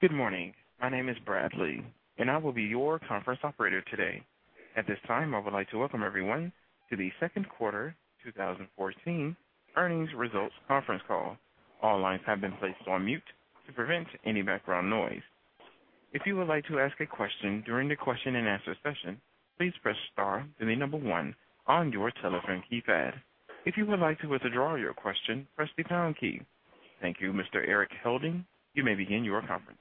Good morning. My name is Bradley, and I will be your conference operator today. At this time, I would like to welcome everyone to the second quarter 2014 earnings results conference call. All lines have been placed on mute to prevent any background noise. If you would like to ask a question during the question-and-answer session, please press star then the number one on your telephone keypad. If you would like to withdraw your question, press the pound key. Thank you, Mr. Erik Helding. You may begin your conference.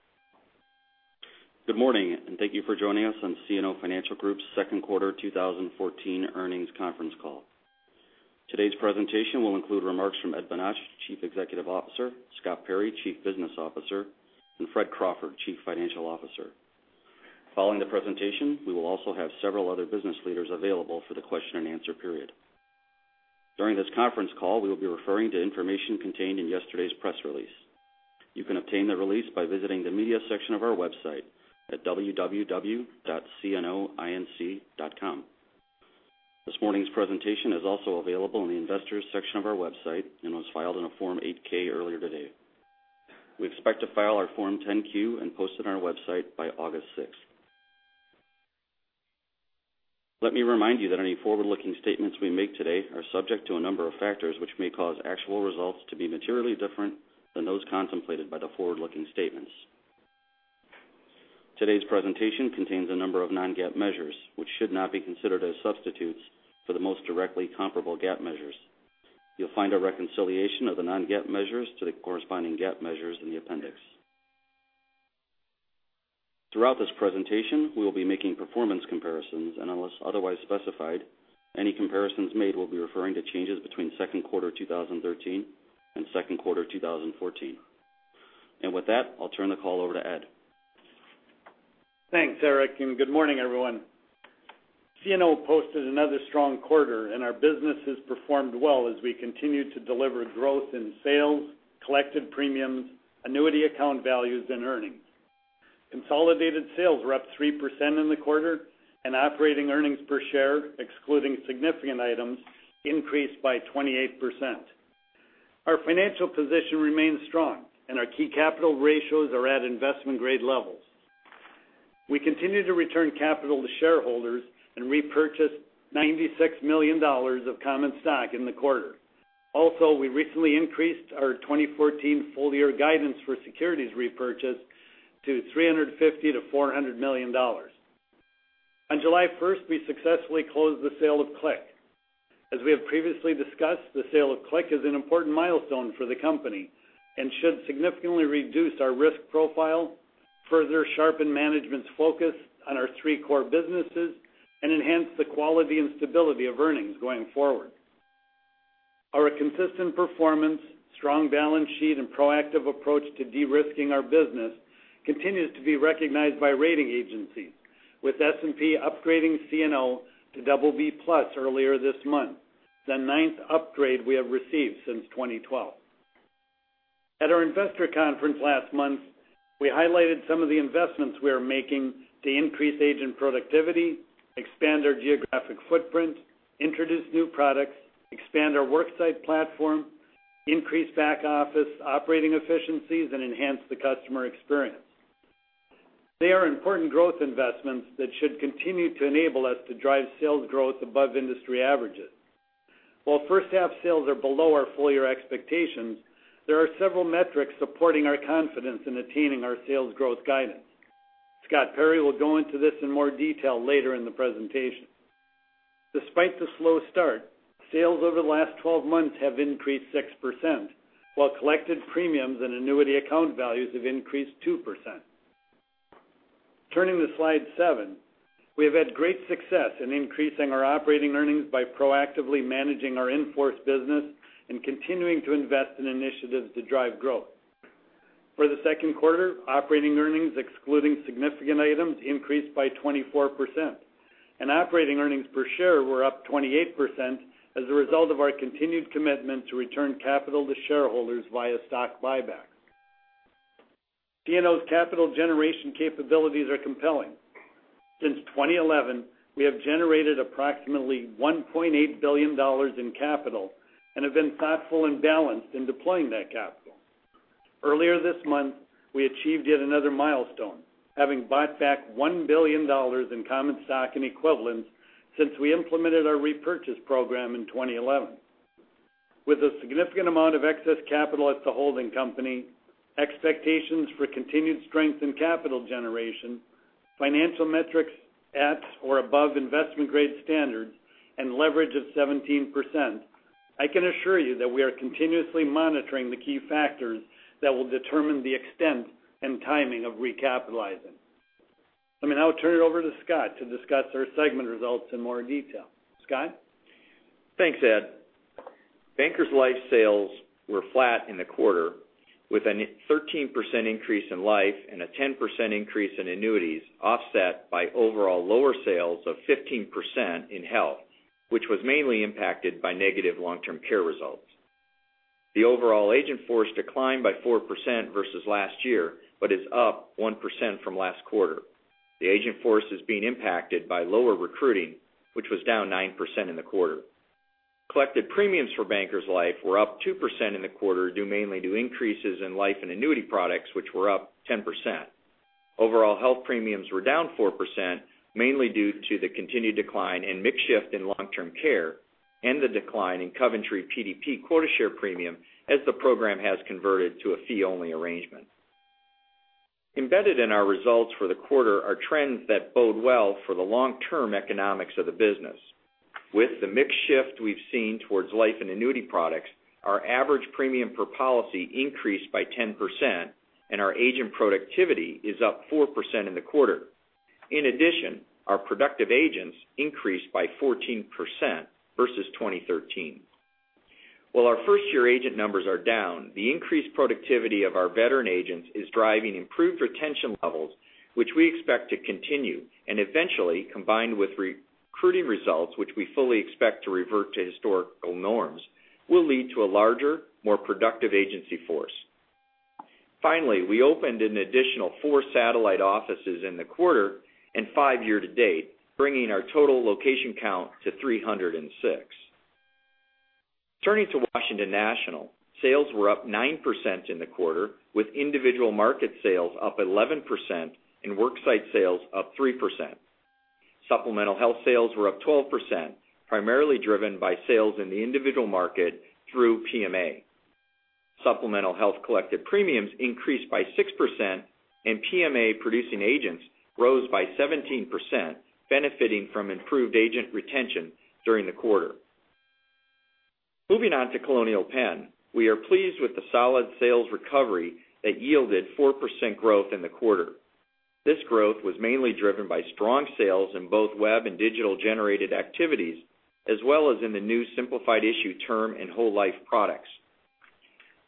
Good morning. Thank you for joining us on CNO Financial Group's second quarter 2014 earnings conference call. Today's presentation will include remarks from Ed Bonach, Chief Executive Officer, Scott Perry, Chief Business Officer, and Fred Crawford, Chief Financial Officer. Following the presentation, we will also have several other business leaders available for the question and answer period. During this conference call, we will be referring to information contained in yesterday's press release. You can obtain the release by visiting the media section of our website at www.cnoinc.com. This morning's presentation is also available in the investors section of our website and was filed in a Form 8-K earlier today. We expect to file our Form 10-Q and post it on our website by August 6th. Let me remind you that any forward-looking statements we make today are subject to a number of factors which may cause actual results to be materially different than those contemplated by the forward-looking statements. Today's presentation contains a number of non-GAAP measures, which should not be considered as substitutes for the most directly comparable GAAP measures. You'll find a reconciliation of the non-GAAP measures to the corresponding GAAP measures in the appendix. Throughout this presentation, we will be making performance comparisons, and unless otherwise specified, any comparisons made will be referring to changes between second quarter 2013 and second quarter 2014. With that, I'll turn the call over to Ed. Thanks, Erik. Good morning, everyone. CNO posted another strong quarter, and our business has performed well as we continue to deliver growth in sales, collected premiums, annuity account values, and earnings. Consolidated sales were up 3% in the quarter, and operating earnings per share, excluding significant items, increased by 28%. Our financial position remains strong, and our key capital ratios are at investment-grade levels. We continue to return capital to shareholders and repurchased $96 million of common stock in the quarter. Also, we recently increased our 2014 full-year guidance for securities repurchase to $350 million-$400 million. On July 1st, we successfully closed the sale of CLIC. As we have previously discussed, the sale of CLIC is an important milestone for the company and should significantly reduce our risk profile, further sharpen management's focus on our three core businesses, and enhance the quality and stability of earnings going forward. Our consistent performance, strong balance sheet, and proactive approach to de-risking our business continues to be recognized by rating agencies, with S&P upgrading CNO to BB+ earlier this month, the ninth upgrade we have received since 2012. At our investor conference last month, we highlighted some of the investments we are making to increase agent productivity, expand our geographic footprint, introduce new products, expand our worksite platform, increase back-office operating efficiencies, and enhance the customer experience. They are important growth investments that should continue to enable us to drive sales growth above industry averages. While first half sales are below our full-year expectations, there are several metrics supporting our confidence in attaining our sales growth guidance. Scott Perry will go into this in more detail later in the presentation. Despite the slow start, sales over the last 12 months have increased 6%, while collected premiums and annuity account values have increased 2%. Turning to slide seven. We have had great success in increasing our operating earnings by proactively managing our in-force business and continuing to invest in initiatives to drive growth. For the second quarter, operating earnings excluding significant items increased by 24%, and operating earnings per share were up 28% as a result of our continued commitment to return capital to shareholders via stock buybacks. CNO's capital generation capabilities are compelling. Since 2011, we have generated approximately $1.8 billion in capital and have been thoughtful and balanced in deploying that capital. Earlier this month, we achieved yet another milestone, having bought back $1 billion in common stock and equivalents since we implemented our repurchase program in 2011. With a significant amount of excess capital at the holding company, expectations for continued strength in capital generation, financial metrics at or above investment-grade standards, and leverage of 17%, I can assure you that we are continuously monitoring the key factors that will determine the extent and timing of recapitalizing. Let me now turn it over to Scott to discuss our segment results in more detail. Scott? Thanks, Ed. Bankers Life sales were flat in the quarter, with a 13% increase in life and a 10% increase in annuities, offset by overall lower sales of 15% in health, which was mainly impacted by negative long-term care results. The overall agent force declined by 4% versus last year but is up 1% from last quarter. The agent force is being impacted by lower recruiting, which was down 9% in the quarter. Collected premiums for Bankers Life were up 2% in the quarter, due mainly to increases in life and annuity products, which were up 10%. Overall health premiums were down 4%, mainly due to the continued decline in mix shift in long-term care and the decline in Coventry PDP quota share premium as the program has converted to a fee-only arrangement. Embedded in our results for the quarter are trends that bode well for the long-term economics of the business. With the mix shift we've seen towards life and annuity products, our average premium per policy increased by 10%, and our agent productivity is up 4% in the quarter. In addition, our productive agents increased by 14% versus 2013. While our first-year agent numbers are down, the increased productivity of our veteran agents is driving improved retention levels, which we expect to continue and eventually, combined with recruiting results, which we fully expect to revert to historical norms, will lead to a larger, more productive agency force. We opened an additional four satellite offices in the quarter and five year to date, bringing our total location count to 306. Turning to Washington National, sales were up 9% in the quarter, with individual market sales up 11% and worksite sales up 3%. Supplemental health sales were up 12%, primarily driven by sales in the individual market through PMA. Supplemental health collected premiums increased by 6%, and PMA producing agents rose by 17%, benefiting from improved agent retention during the quarter. Moving on to Colonial Penn. We are pleased with the solid sales recovery that yielded 4% growth in the quarter. This growth was mainly driven by strong sales in both web and digital-generated activities, as well as in the new simplified issue term and whole life products.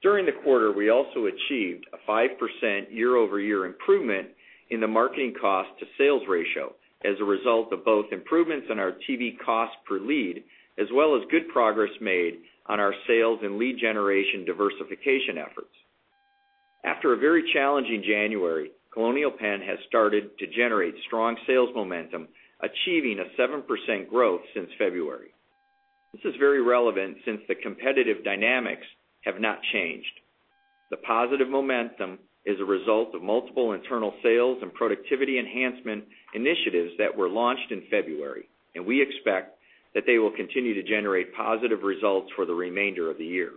During the quarter, we also achieved a 5% year-over-year improvement in the marketing cost to sales ratio as a result of both improvements in our TV cost per lead, as well as good progress made on our sales and lead generation diversification efforts. After a very challenging January, Colonial Penn has started to generate strong sales momentum, achieving a 7% growth since February. This is very relevant since the competitive dynamics have not changed. The positive momentum is a result of multiple internal sales and productivity enhancement initiatives that were launched in February, and we expect that they will continue to generate positive results for the remainder of the year.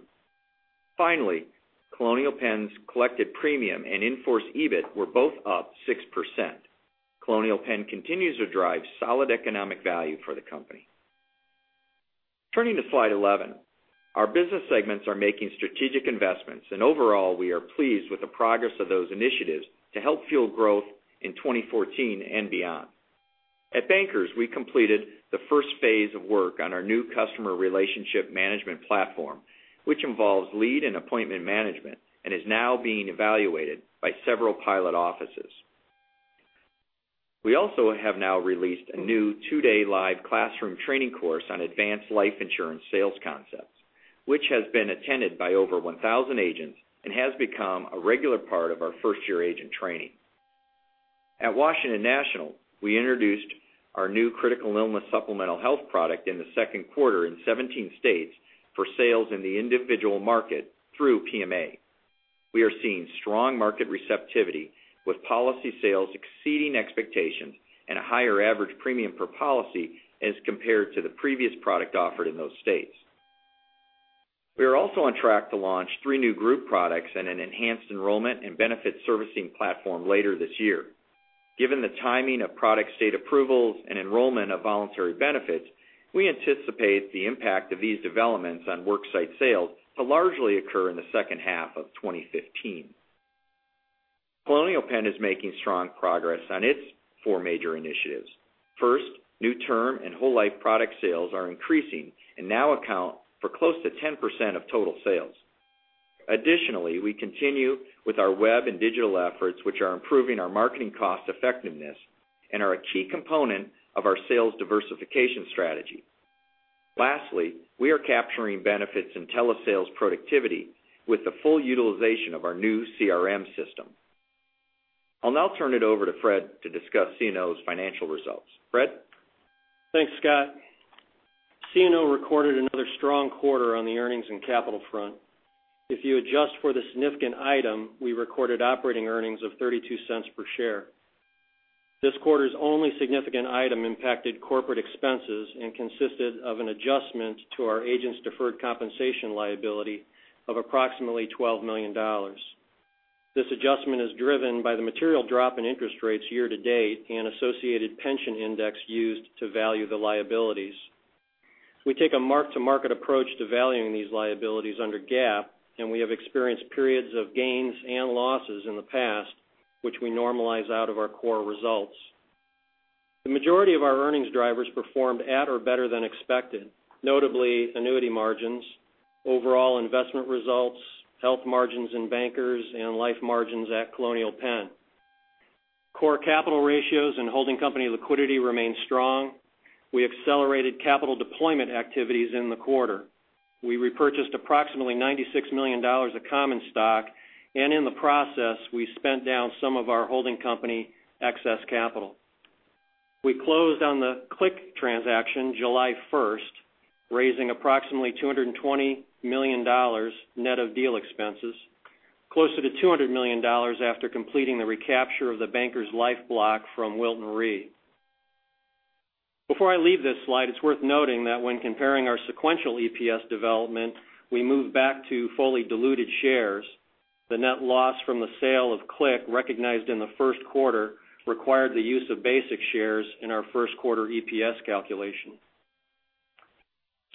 Colonial Penn's collected premium and in-force EBIT were both up 6%. Colonial Penn continues to drive solid economic value for the company. Turning to slide 11. Our business segments are making strategic investments, and overall, we are pleased with the progress of those initiatives to help fuel growth in 2014 and beyond. At Bankers, we completed the first phase of work on our new customer relationship management platform, which involves lead and appointment management and is now being evaluated by several pilot offices. We also have now released a new two-day live classroom training course on advanced life insurance sales concepts, which has been attended by over 1,000 agents and has become a regular part of our first-year agent training. At Washington National, we introduced our new critical illness supplemental health product in the second quarter in 17 states for sales in the individual market through PMA. We are seeing strong market receptivity with policy sales exceeding expectations and a higher average premium per policy as compared to the previous product offered in those states. We are also on track to launch three new group products and an enhanced enrollment and benefit servicing platform later this year. Given the timing of product state approvals and enrollment of voluntary benefits, we anticipate the impact of these developments on worksite sales to largely occur in the second half of 2015. Colonial Penn is making strong progress on its four major initiatives. First, new term and whole life product sales are increasing and now account for close to 10% of total sales. Additionally, we continue with our web and digital efforts, which are improving our marketing cost effectiveness and are a key component of our sales diversification strategy. Lastly, we are capturing benefits in telesales productivity with the full utilization of our new CRM system. I'll now turn it over to Fred to discuss CNO's financial results. Fred? Thanks, Scott. CNO recorded another strong quarter on the earnings and capital front. If you adjust for the significant item, we recorded operating earnings of $0.32 per share. This quarter's only significant item impacted corporate expenses and consisted of an adjustment to our agents' deferred compensation liability of approximately $12 million. This adjustment is driven by the material drop in interest rates year to date and associated pension index used to value the liabilities. We take a mark-to-market approach to valuing these liabilities under GAAP, and we have experienced periods of gains and losses in the past, which we normalize out of our core results. The majority of our earnings drivers performed at or better than expected, notably annuity margins, overall investment results, health margins in Bankers, and life margins at Colonial Penn. Core capital ratios and holding company liquidity remain strong. We accelerated capital deployment activities in the quarter. We repurchased approximately $96 million of common stock, and in the process, we spent down some of our holding company excess capital. We closed on the CLIC transaction July 1st, raising approximately $220 million net of deal expenses, closer to $200 million after completing the recapture of the Bankers Life block from Wilton Re. Before I leave this slide, it's worth noting that when comparing our sequential EPS development, we move back to fully diluted shares. The net loss from the sale of CLIC recognized in the first quarter required the use of basic shares in our first quarter EPS calculation.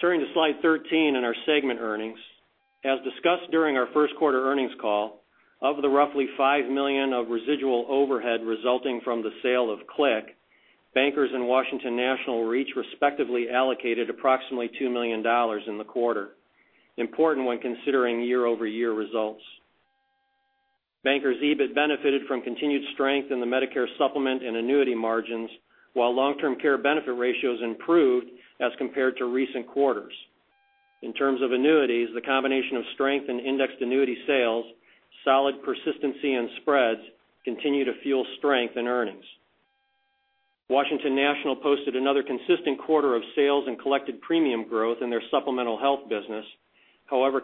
Turning to slide 13 and our segment earnings. As discussed during our first quarter earnings call, of the roughly $5 million of residual overhead resulting from the sale of CLIC, Bankers and Washington National each respectively allocated approximately $2 million in the quarter, important when considering year-over-year results. Bankers' EBIT benefited from continued strength in the Medicare Supplement and annuity margins, while long-term care benefit ratios improved as compared to recent quarters. In terms of annuities, the combination of strength and indexed annuity sales, solid persistency and spreads continue to fuel strength in earnings. Washington National posted another consistent quarter of sales and collected premium growth in their supplemental health business.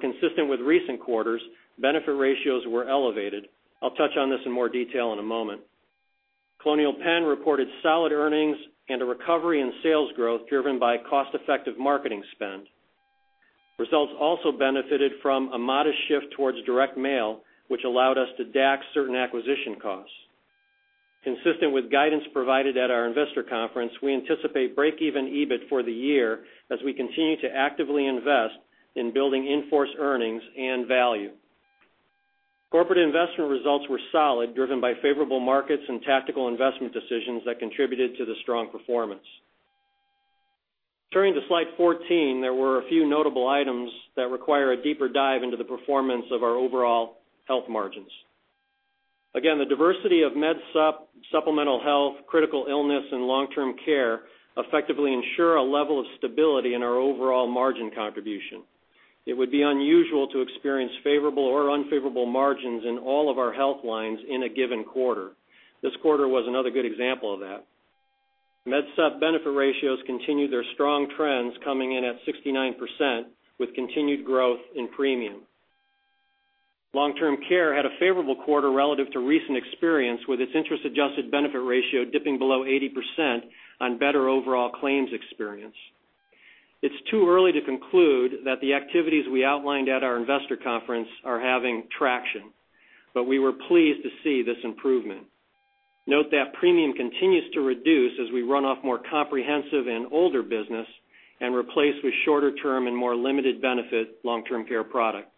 Consistent with recent quarters, benefit ratios were elevated. I'll touch on this in more detail in a moment. Colonial Penn reported solid earnings and a recovery in sales growth driven by cost-effective marketing spend. Results also benefited from a modest shift towards direct mail, which allowed us to DAC certain acquisition costs. Consistent with guidance provided at our investor conference, we anticipate break-even EBIT for the year as we continue to actively invest in building in-force earnings and value. Corporate investment results were solid, driven by favorable markets and tactical investment decisions that contributed to the strong performance. Turning to slide 14, there were a few notable items that require a deeper dive into the performance of our overall health margins. The diversity of MedSup, supplemental health, critical illness, and long-term care effectively ensure a level of stability in our overall margin contribution. It would be unusual to experience favorable or unfavorable margins in all of our health lines in a given quarter. This quarter was another good example of that. MedSup benefit ratios continued their strong trends coming in at 69% with continued growth in premium. Long-term care had a favorable quarter relative to recent experience with its interest adjusted benefit ratio dipping below 80% on better overall claims experience. It's too early to conclude that the activities we outlined at our investor conference are having traction, but we were pleased to see this improvement. Premium continues to reduce as we run off more comprehensive and older business and replace with shorter term and more limited benefit long-term care product.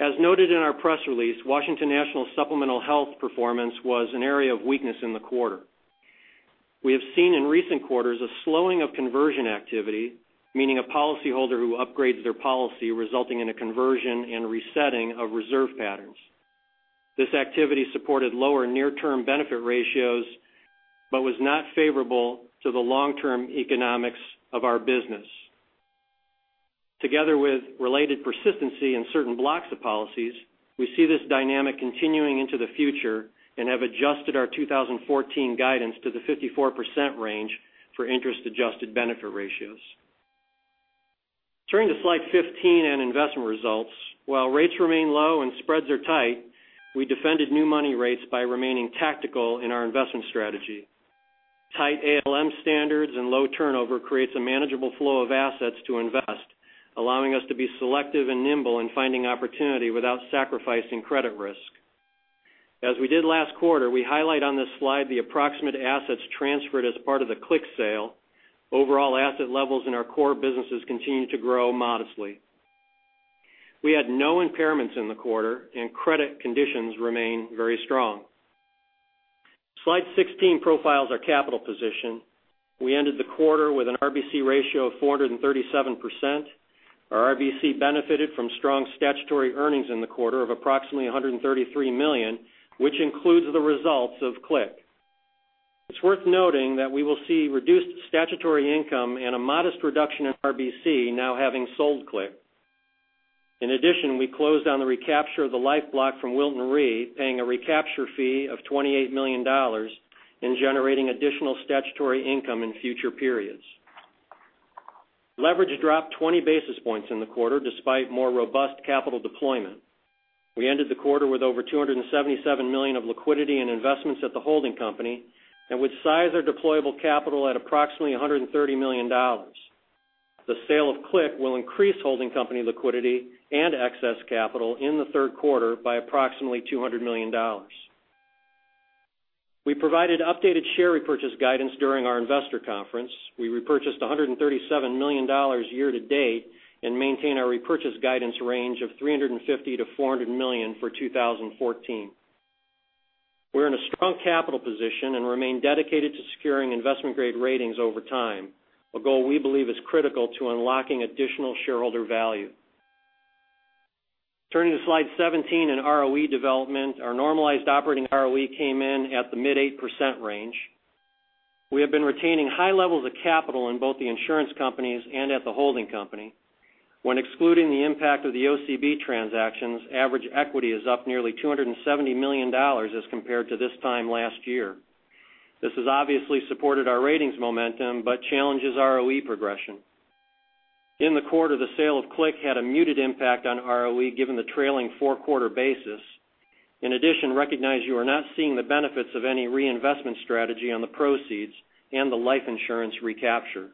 As noted in our press release, Washington National Supplemental Health performance was an area of weakness in the quarter. We have seen in recent quarters a slowing of conversion activity, meaning a policyholder who upgrades their policy resulting in a conversion and resetting of reserve patterns. This activity supported lower near-term benefit ratios but was not favorable to the long-term economics of our business. Together with related persistency in certain blocks of policies, we see this dynamic continuing into the future and have adjusted our 2014 guidance to the 54% range for interest adjusted benefit ratios. Turning to slide 15 and investment results. Rates remain low and spreads are tight, we defended new money rates by remaining tactical in our investment strategy. Tight ALM standards and low turnover creates a manageable flow of assets to invest, allowing us to be selective and nimble in finding opportunity without sacrificing credit risk. As we did last quarter, we highlight on this slide the approximate assets transferred as part of the CLIC sale. Overall asset levels in our core businesses continue to grow modestly. We had no impairments in the quarter. Credit conditions remain very strong. Slide 16 profiles our capital position. We ended the quarter with an RBC ratio of 437%. Our RBC benefited from strong statutory earnings in the quarter of approximately $133 million, which includes the results of CLIC. It's worth noting that we will see reduced statutory income and a modest reduction in RBC now having sold CLIC. In addition, we closed on the recapture of the Life block from Wilton Re, paying a recapture fee of $28 million and generating additional statutory income in future periods. Leverage dropped 20 basis points in the quarter despite more robust capital deployment. We ended the quarter with over $277 million of liquidity and investments at the holding company, and we size our deployable capital at approximately $130 million. The sale of CLIC will increase holding company liquidity and excess capital in the third quarter by approximately $200 million. We provided updated share repurchase guidance during our investor conference. We repurchased $137 million year-to-date and maintain our repurchase guidance range of $350 million-$400 million for 2014. We're in a strong capital position and remain dedicated to securing investment-grade ratings over time, a goal we believe is critical to unlocking additional shareholder value. Turning to slide 17 and ROE development, our normalized operating ROE came in at the mid 8% range. We have been retaining high levels of capital in both the insurance companies and at the holding company. When excluding the impact of the OCB transactions, average equity is up nearly $270 million as compared to this time last year. This has obviously supported our ratings momentum but challenges ROE progression. In the quarter, the sale of CLIC had a muted impact on ROE given the trailing four-quarter basis. In addition, recognize you are not seeing the benefits of any reinvestment strategy on the proceeds and the life insurance recapture.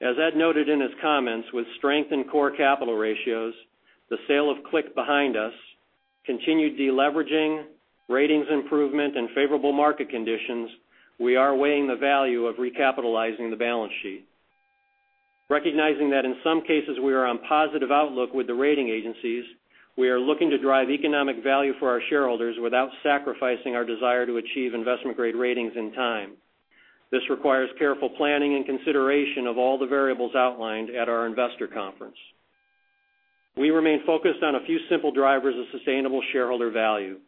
As Ed noted in his comments, with strength in core capital ratios, the sale of CLIC behind us, continued de-leveraging, ratings improvement, and favorable market conditions, we are weighing the value of recapitalizing the balance sheet. Recognizing that in some cases we are on positive outlook with the rating agencies, we are looking to drive economic value for our shareholders without sacrificing our desire to achieve investment-grade ratings in time. This requires careful planning and consideration of all the variables outlined at our investor conference. We remain focused on a few simple drivers of sustainable shareholder value,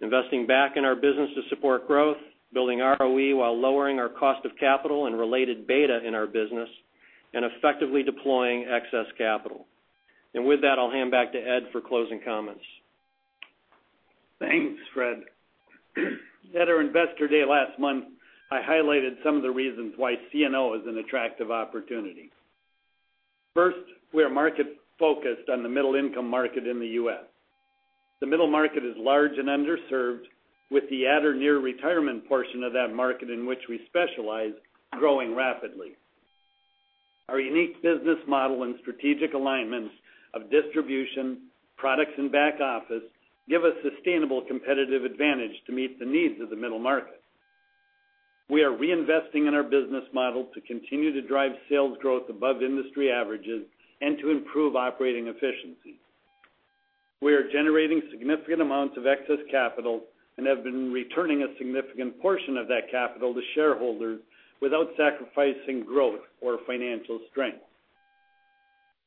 investing back in our business to support growth, building ROE while lowering our cost of capital and related beta in our business, and effectively deploying excess capital. With that, I'll hand back to Ed for closing comments. Thanks, Fred. At our Investor Day last month, I highlighted some of the reasons why CNO is an attractive opportunity. First, we are market-focused on the middle-income market in the U.S. The middle market is large and underserved with the at or near retirement portion of that market in which we specialize growing rapidly. Our unique business model and strategic alignments of distribution, products, and back office give us sustainable competitive advantage to meet the needs of the middle market. We are reinvesting in our business model to continue to drive sales growth above industry averages and to improve operating efficiency. We are generating significant amounts of excess capital and have been returning a significant portion of that capital to shareholders without sacrificing growth or financial strength.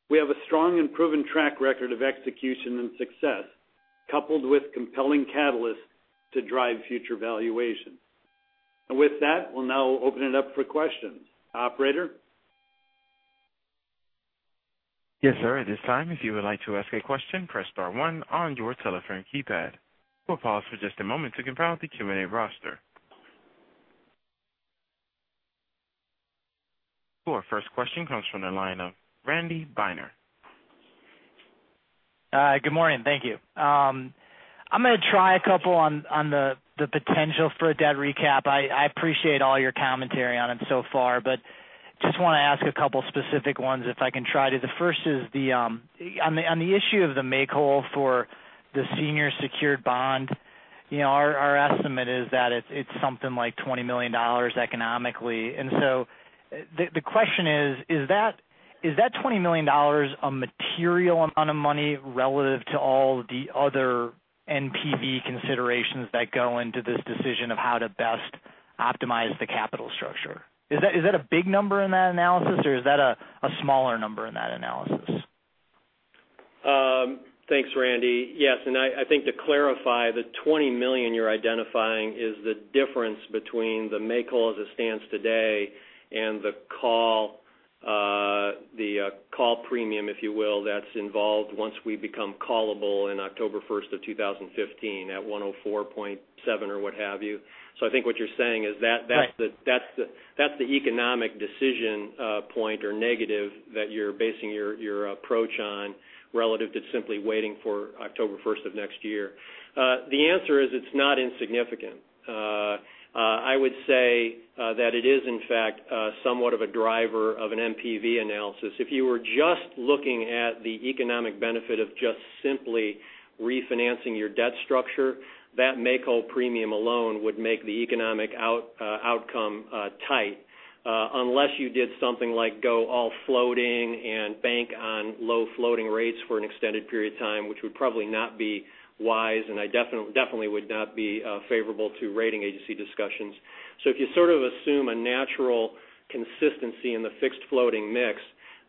We have a strong and proven track record of execution and success, coupled with compelling catalysts to drive future valuation. With that, we'll now open it up for questions. Operator? Yes, sir. At this time, if you would like to ask a question, press star one on your telephone keypad. We'll pause for just a moment to compile the Q&A roster. Sure. First question comes from the line of Randy Binner. Good morning. Thank you. I'm going to try a couple on the potential for a debt recap. I appreciate all your commentary on it so far, but just want to ask a couple specific ones if I can try to. The first is on the issue of the make whole for the senior secured bond. Our estimate is that it's something like $20 million economically. The question is that $20 million a material amount of money relative to all the other NPV considerations that go into this decision of how to best optimize the capital structure? Is that a big number in that analysis, or is that a smaller number in that analysis? Thanks, Randy. Yes, I think to clarify, the $20 million you're identifying is the difference between the make whole as it stands today and the call premium, if you will, that's involved once we become callable in October 1st of 2015 at 104.7 or what have you. I think what you're saying is that's the economic decision point or negative that you're basing your approach on relative to simply waiting for October 1st of next year. The answer is it's not insignificant. I would say that it is, in fact, somewhat of a driver of an NPV analysis. If you were just looking at the economic benefit of just simply refinancing your debt structure, that make whole premium alone would make the economic outcome tight. Unless you did something like go all floating and bank on low floating rates for an extended period of time, which would probably not be wise, and definitely would not be favorable to rating agency discussions. If you sort of assume a natural consistency in the fixed floating mix,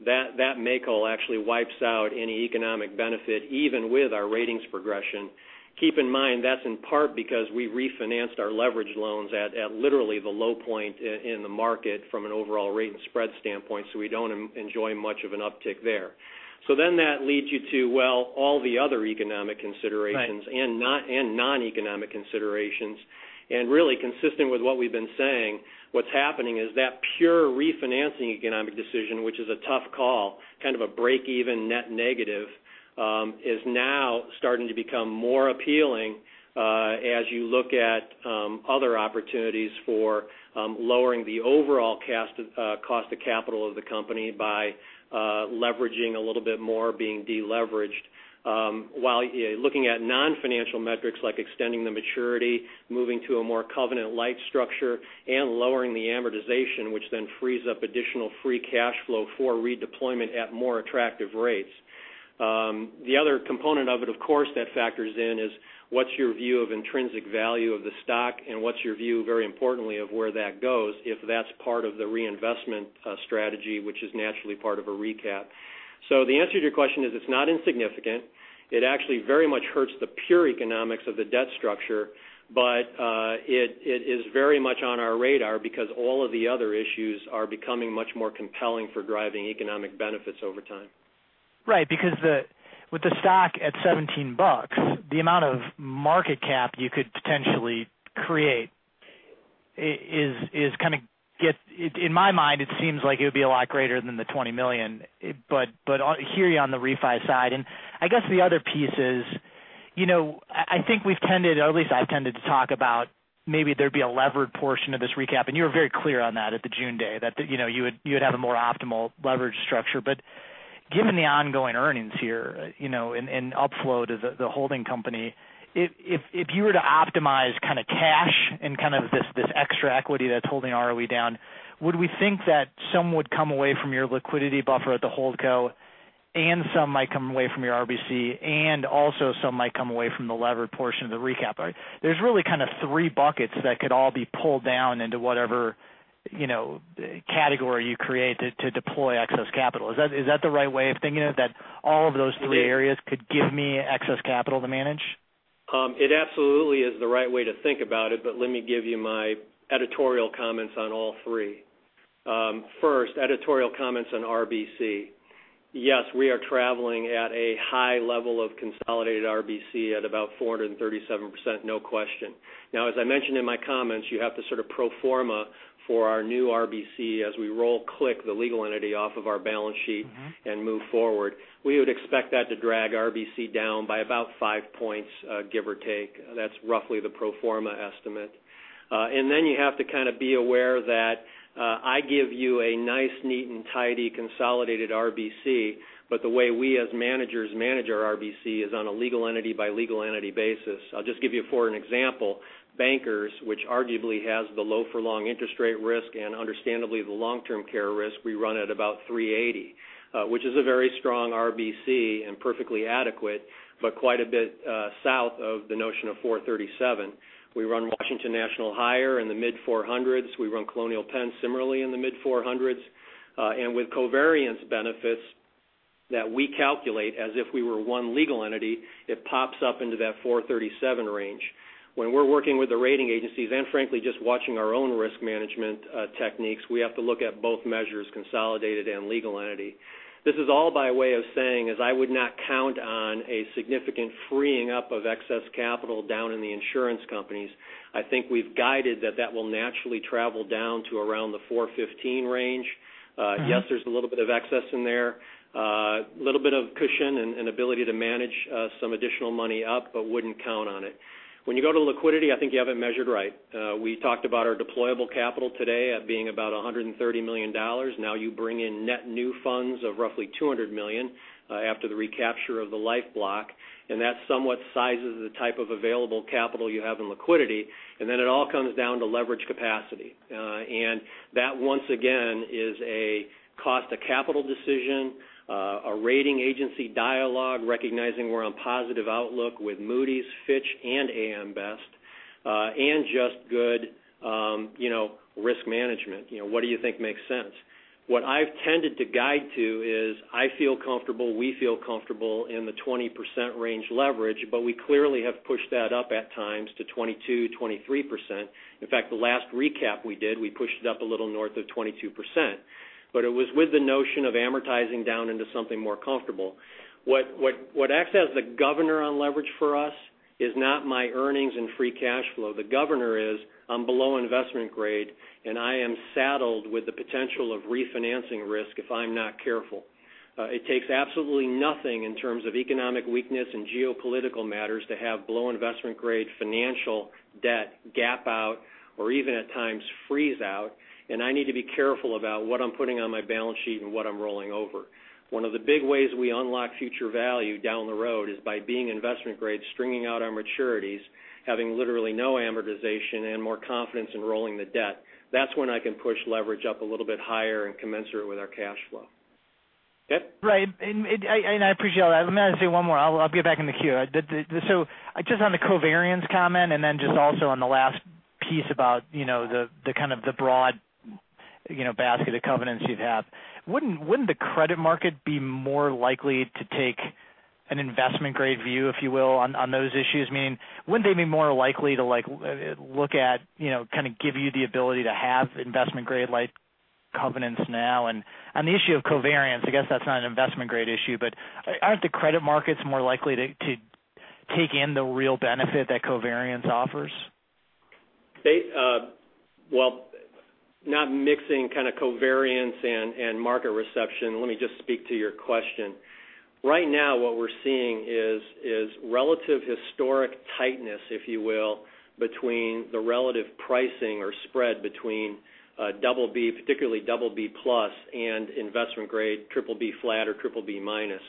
that make whole actually wipes out any economic benefit, even with our ratings progression. Keep in mind, that's in part because we refinanced our leverage loans at literally the low point in the market from an overall rate and spread standpoint, we don't enjoy much of an uptick there. That leads you to, well, all the other economic considerations and non-economic considerations. Really consistent with what we've been saying, what's happening is that pure refinancing economic decision, which is a tough call, kind of a break-even net negative, is now starting to become more appealing as you look at other opportunities for lowering the overall cost of capital of the company by leveraging a little bit more, being de-leveraged. While looking at non-financial metrics like extending the maturity, moving to a more covenant light structure, and lowering the amortization, which then frees up additional free cash flow for redeployment at more attractive rates. The other component of it, of course, that factors in is what's your view of intrinsic value of the stock and what's your view, very importantly, of where that goes if that's part of the reinvestment strategy, which is naturally part of a recap. The answer to your question is it's not insignificant. It actually very much hurts the pure economics of the debt structure, but it is very much on our radar because all of the other issues are becoming much more compelling for driving economic benefits over time. Right. With the stock at $17, the amount of market cap you could potentially create in my mind, it seems like it would be a lot greater than $20 million. I hear you on the refi side. I guess the other piece is, I think we've tended, or at least I've tended to talk about maybe there'd be a levered portion of this recap. You were very clear on that at the June day that you would have a more optimal leverage structure. Given the ongoing earnings here, upflow to the holding company, if you were to optimize kind of cash and kind of this extra equity that's holding ROE down, would we think that some would come away from your liquidity buffer at the holdco and some might come away from your RBC, also some might come away from the levered portion of the recap? There's really kind of three buckets that could all be pulled down into whatever category you create to deploy excess capital. Is that the right way of thinking it, that all of those three areas could give me excess capital to manage? It absolutely is the right way to think about it, let me give you my editorial comments on all three. First editorial comments on RBC. Yes, we are traveling at a high level of consolidated RBC at about 437%, no question. As I mentioned in my comments, you have to sort of pro forma for our new RBC as we roll CLIC, the legal entity off of our balance sheet and move forward. We would expect that to drag RBC down by about five points, give or take. That's roughly the pro forma estimate. Then you have to kind of be aware that I give you a nice, neat, and tidy consolidated RBC, the way we as managers manage our RBC is on a legal entity by legal entity basis. I'll just give you for an example, Bankers, which arguably has the low for long interest rate risk and understandably the long-term care risk we run at about 380, which is a very strong RBC and perfectly adequate, quite a bit south of the notion of 437. We run Washington National higher in the mid 400s. We run Colonial Penn similarly in the mid 400s. With covariance benefits that we calculate as if we were one legal entity, it pops up into that 437 range. When we're working with the rating agencies and frankly just watching our own risk management techniques, we have to look at both measures consolidated and legal entity. This is all by way of saying is I would not count on a significant freeing up of excess capital down in the insurance companies. I think we've guided that that will naturally travel down to around the 415 range. Yes, there's a little bit of excess in there. Little bit of cushion and ability to manage some additional money up, but wouldn't count on it. When you go to liquidity, I think you have it measured right. We talked about our deployable capital today at being about $130 million. Now you bring in net new funds of roughly $200 million after the recapture of the Life block, that somewhat sizes the type of available capital you have in liquidity. Then it all comes down to leverage capacity. That once again is a cost of capital decision, a rating agency dialogue recognizing we're on positive outlook with Moody's, Fitch, and AM Best, and just good risk management. What do you think makes sense? What I've tended to guide to is I feel comfortable, we feel comfortable in the 20% range leverage, but we clearly have pushed that up at times to 22%, 23%. In fact, the last recap we did, we pushed it up a little north of 22%, but it was with the notion of amortizing down into something more comfortable. What acts as the governor on leverage for us is not my earnings and free cash flow. The governor is I'm below investment grade, I am saddled with the potential of refinancing risk if I'm not careful. It takes absolutely nothing in terms of economic weakness and geopolitical matters to have below investment grade financial debt gap out or even at times freeze out, I need to be careful about what I'm putting on my balance sheet and what I'm rolling over. One of the big ways we unlock future value down the road is by being investment grade, stringing out our maturities, having literally no amortization and more confidence in rolling the debt. That's when I can push leverage up a little bit higher and commensurate with our cash flow. Yep. Right. I appreciate all that. Let me ask you one more. I'll get back in the queue. Just on the covariance comment, and then just also on the last piece about the kind of the broad basket of covenants you have. Wouldn't the credit market be more likely to take an investment grade view, if you will, on those issues? Meaning, wouldn't they be more likely to look at kind of give you the ability to have investment grade-like covenants now? On the issue of covariance, I guess that's not an investment grade issue, but aren't the credit markets more likely to take in the real benefit that covariance offers? Well, not mixing kind of covariance and market reception. Let me just speak to your question. Right now what we're seeing is relative historic tightness, if you will, between the relative pricing or spread between BB, particularly BB+ and investment grade BBB flat or BBB-. It's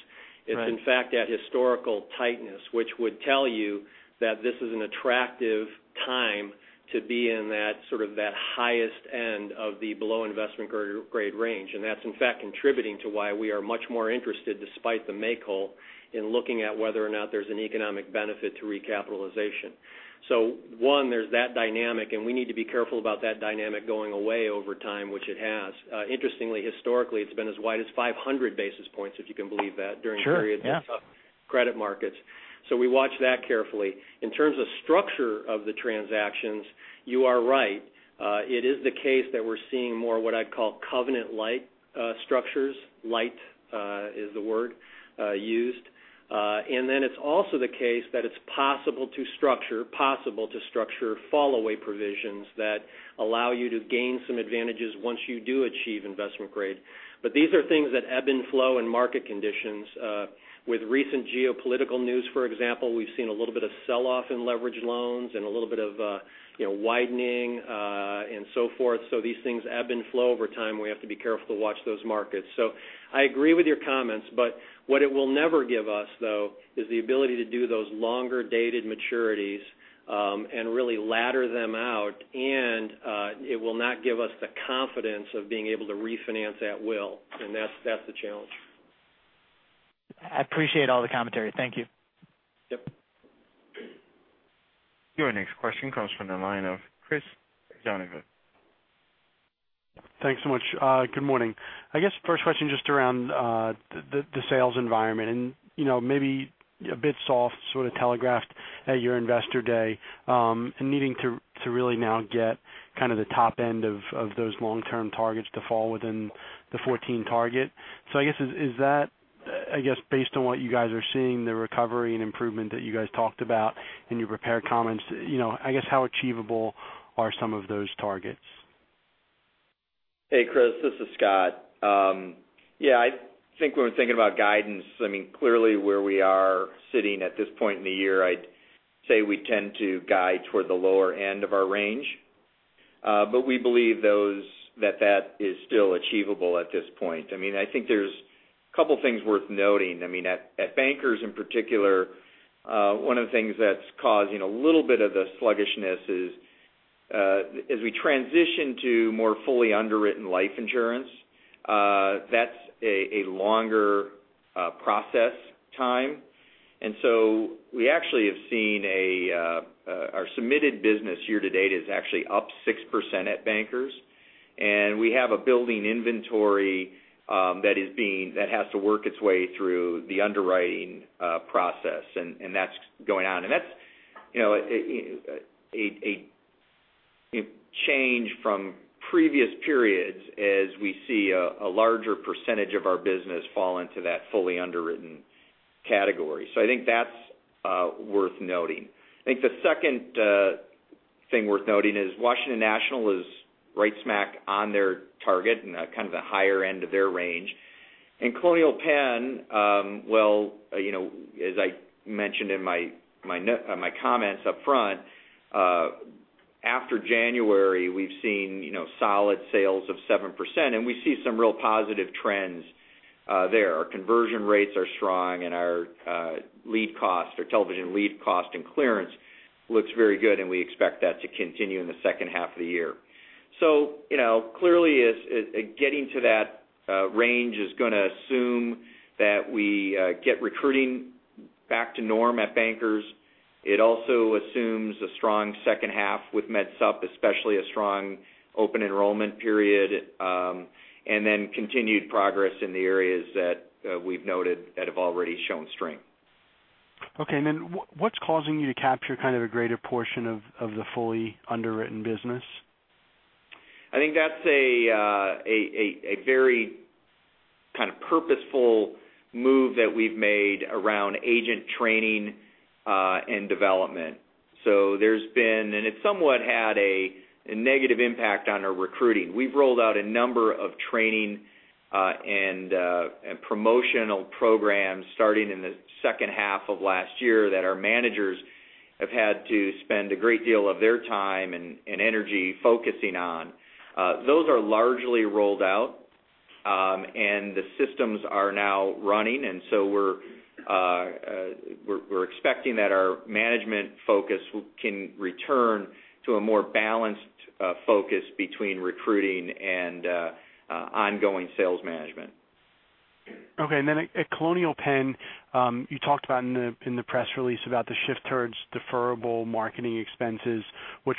in fact that historical tightness which would tell you that this is an attractive time to be in that sort of that highest end of the below investment grade range. That's in fact contributing to why we are much more interested despite the make whole in looking at whether or not there's an economic benefit to recapitalization. One, there's that dynamic, and we need to be careful about that dynamic going away over time, which it has. Interestingly, historically, it's been as wide as 500 basis points, if you can believe that during periods- Sure. Yeah Credit markets. We watch that carefully. In terms of structure of the transactions, you are right. It is the case that we're seeing more what I'd call covenant light structures. Light is the word used. Then it's also the case that it's possible to structure fallaway provisions that allow you to gain some advantages once you do achieve investment grade. These are things that ebb and flow in market conditions. With recent geopolitical news, for example, we've seen a little bit of sell-off in leveraged loans and a little bit of widening and so forth. These things ebb and flow over time. We have to be careful to watch those markets. I agree with your comments, but what it will never give us, though, is the ability to do those longer-dated maturities, and really ladder them out, and it will not give us the confidence of being able to refinance at will. That's the challenge. I appreciate all the commentary. Thank you. Yep. Your next question comes from the line of Chris Giovanni. Thanks so much. Good morning. I guess first question just around the sales environment, and maybe a bit soft, sort of telegraphed at your investor day, and needing to really now get kind of the top end of those long-term targets to fall within the 14 target. I guess, is that based on what you guys are seeing, the recovery and improvement that you guys talked about in your prepared comments, I guess how achievable are some of those targets? Hey, Chris, this is Scott. Yeah, I think when we're thinking about guidance, clearly where we are sitting at this point in the year, I'd say we tend to guide toward the lower end of our range. We believe that is still achievable at this point. I think there's a couple of things worth noting. At Bankers in particular, one of the things that's causing a little bit of the sluggishness is as we transition to more fully underwritten life insurance, that's a longer process time. We actually have seen our submitted business year to date is actually up 6% at Bankers, and we have a building inventory that has to work its way through the underwriting process, and that's going on. That's a change from previous periods as we see a larger percentage of our business fall into that fully underwritten category. I think that's worth noting. I think the second thing worth noting is Washington National is right smack on their target in kind of the higher end of their range. Colonial Penn, well, as I mentioned in my comments upfront, after January, we've seen solid sales of 7%, and we see some real positive trends there. Our conversion rates are strong, and our lead cost or television lead cost and clearance looks very good, and we expect that to continue in the second half of the year. Clearly, getting to that range is going to assume that we get recruiting back to norm at Bankers. It also assumes a strong second half with MedSup, especially a strong open enrollment period, and then continued progress in the areas that we've noted that have already shown strength. Okay. What's causing you to capture kind of a greater portion of the fully underwritten business? I think that's a very kind of purposeful move that we've made around agent training and development. It somewhat had a negative impact on our recruiting. We've rolled out a number of training and promotional programs starting in the second half of last year that our managers have had to spend a great deal of their time and energy focusing on. Those are largely rolled out, and the systems are now running. We're expecting that our management focus can return to a more balanced focus between recruiting and ongoing sales management. Okay. At Colonial Penn, you talked about in the press release about the shift towards deferrable marketing expenses, which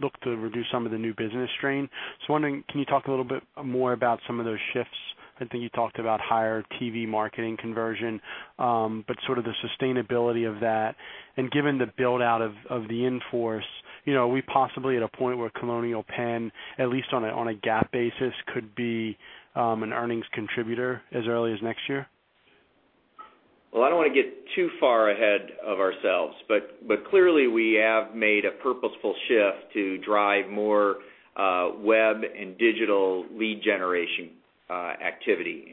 look to reduce some of the new business strain. Wondering, can you talk a little bit more about some of those shifts? I think you talked about higher TV marketing conversion, but sort of the sustainability of that. Given the build-out of the in-force, are we possibly at a point where Colonial Penn, at least on a GAAP basis, could be an earnings contributor as early as next year? Well, I don't want to get too far ahead of ourselves, clearly we have made a purposeful shift to drive more web and digital lead generation activity,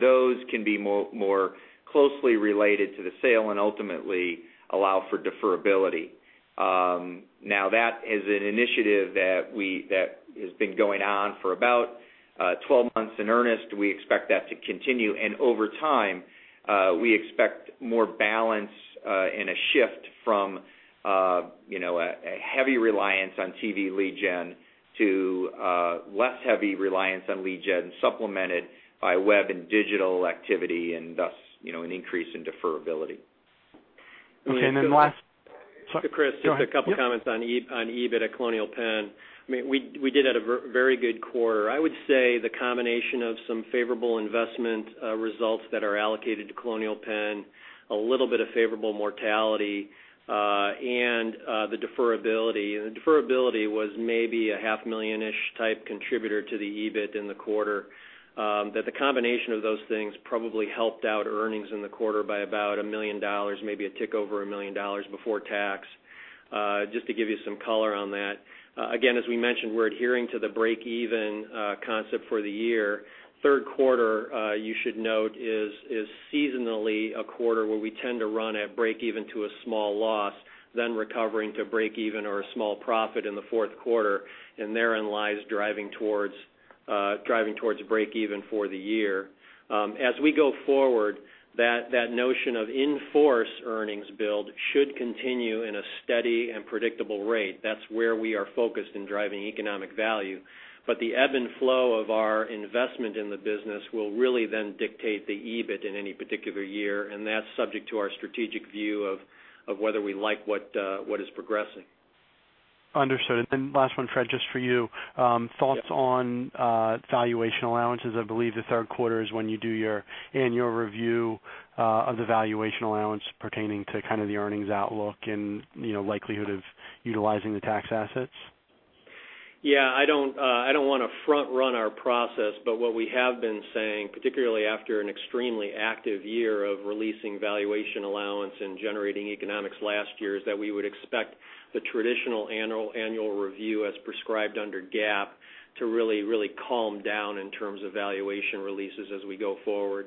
those can be more closely related to the sale and ultimately allow for deferrability. Now that is an initiative that has been going on for about 12 months in earnest. We expect that to continue, over time, we expect more balance and a shift from a heavy reliance on TV lead gen to less heavy reliance on lead gen supplemented by web and digital activity, thus an increase in deferrability. Okay, last. Chris. Go ahead. Yep. Just a couple comments on EBIT at Colonial Penn. We did have a very good quarter. I would say the combination of some favorable investment results that are allocated to Colonial Penn, a little bit of favorable mortality, and the deferrability. The deferrability was maybe a half million-ish type contributor to the EBIT in the quarter. That the combination of those things probably helped out earnings in the quarter by about $1 million, maybe a tick over $1 million before tax. Just to give you some color on that. Again, as we mentioned, we're adhering to the break even concept for the year. Third quarter, you should note, is seasonally a quarter where we tend to run at break even to a small loss, then recovering to break even or a small profit in the fourth quarter, and therein lies driving towards break even for the year. As we go forward, that notion of in-force earnings build should continue in a steady and predictable rate. That's where we are focused in driving economic value. The ebb and flow of our investment in the business will really then dictate the EBIT in any particular year, and that's subject to our strategic view of whether we like what is progressing. Understood. Last one, Fred, just for you. Thoughts on valuation allowances. I believe the third quarter is when you do your annual review of the valuation allowance pertaining to kind of the earnings outlook and likelihood of utilizing the tax assets. Yeah, I don't want to front run our process. What we have been saying, particularly after an extremely active year of releasing valuation allowance and generating economics last year, is that we would expect the traditional annual review as prescribed under GAAP to really calm down in terms of valuation releases as we go forward.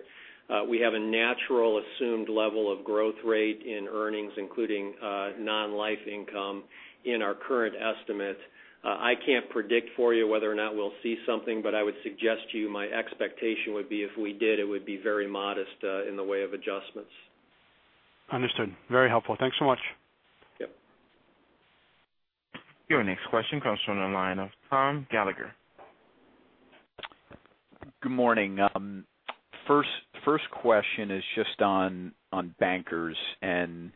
We have a natural assumed level of growth rate in earnings, including non-life income in our current estimate. I can't predict for you whether or not we'll see something, but I would suggest to you my expectation would be if we did, it would be very modest in the way of adjustments. Understood. Very helpful. Thanks so much. Yep. Your next question comes from the line of Tom Gallagher. Good morning. First question is just on Bankers and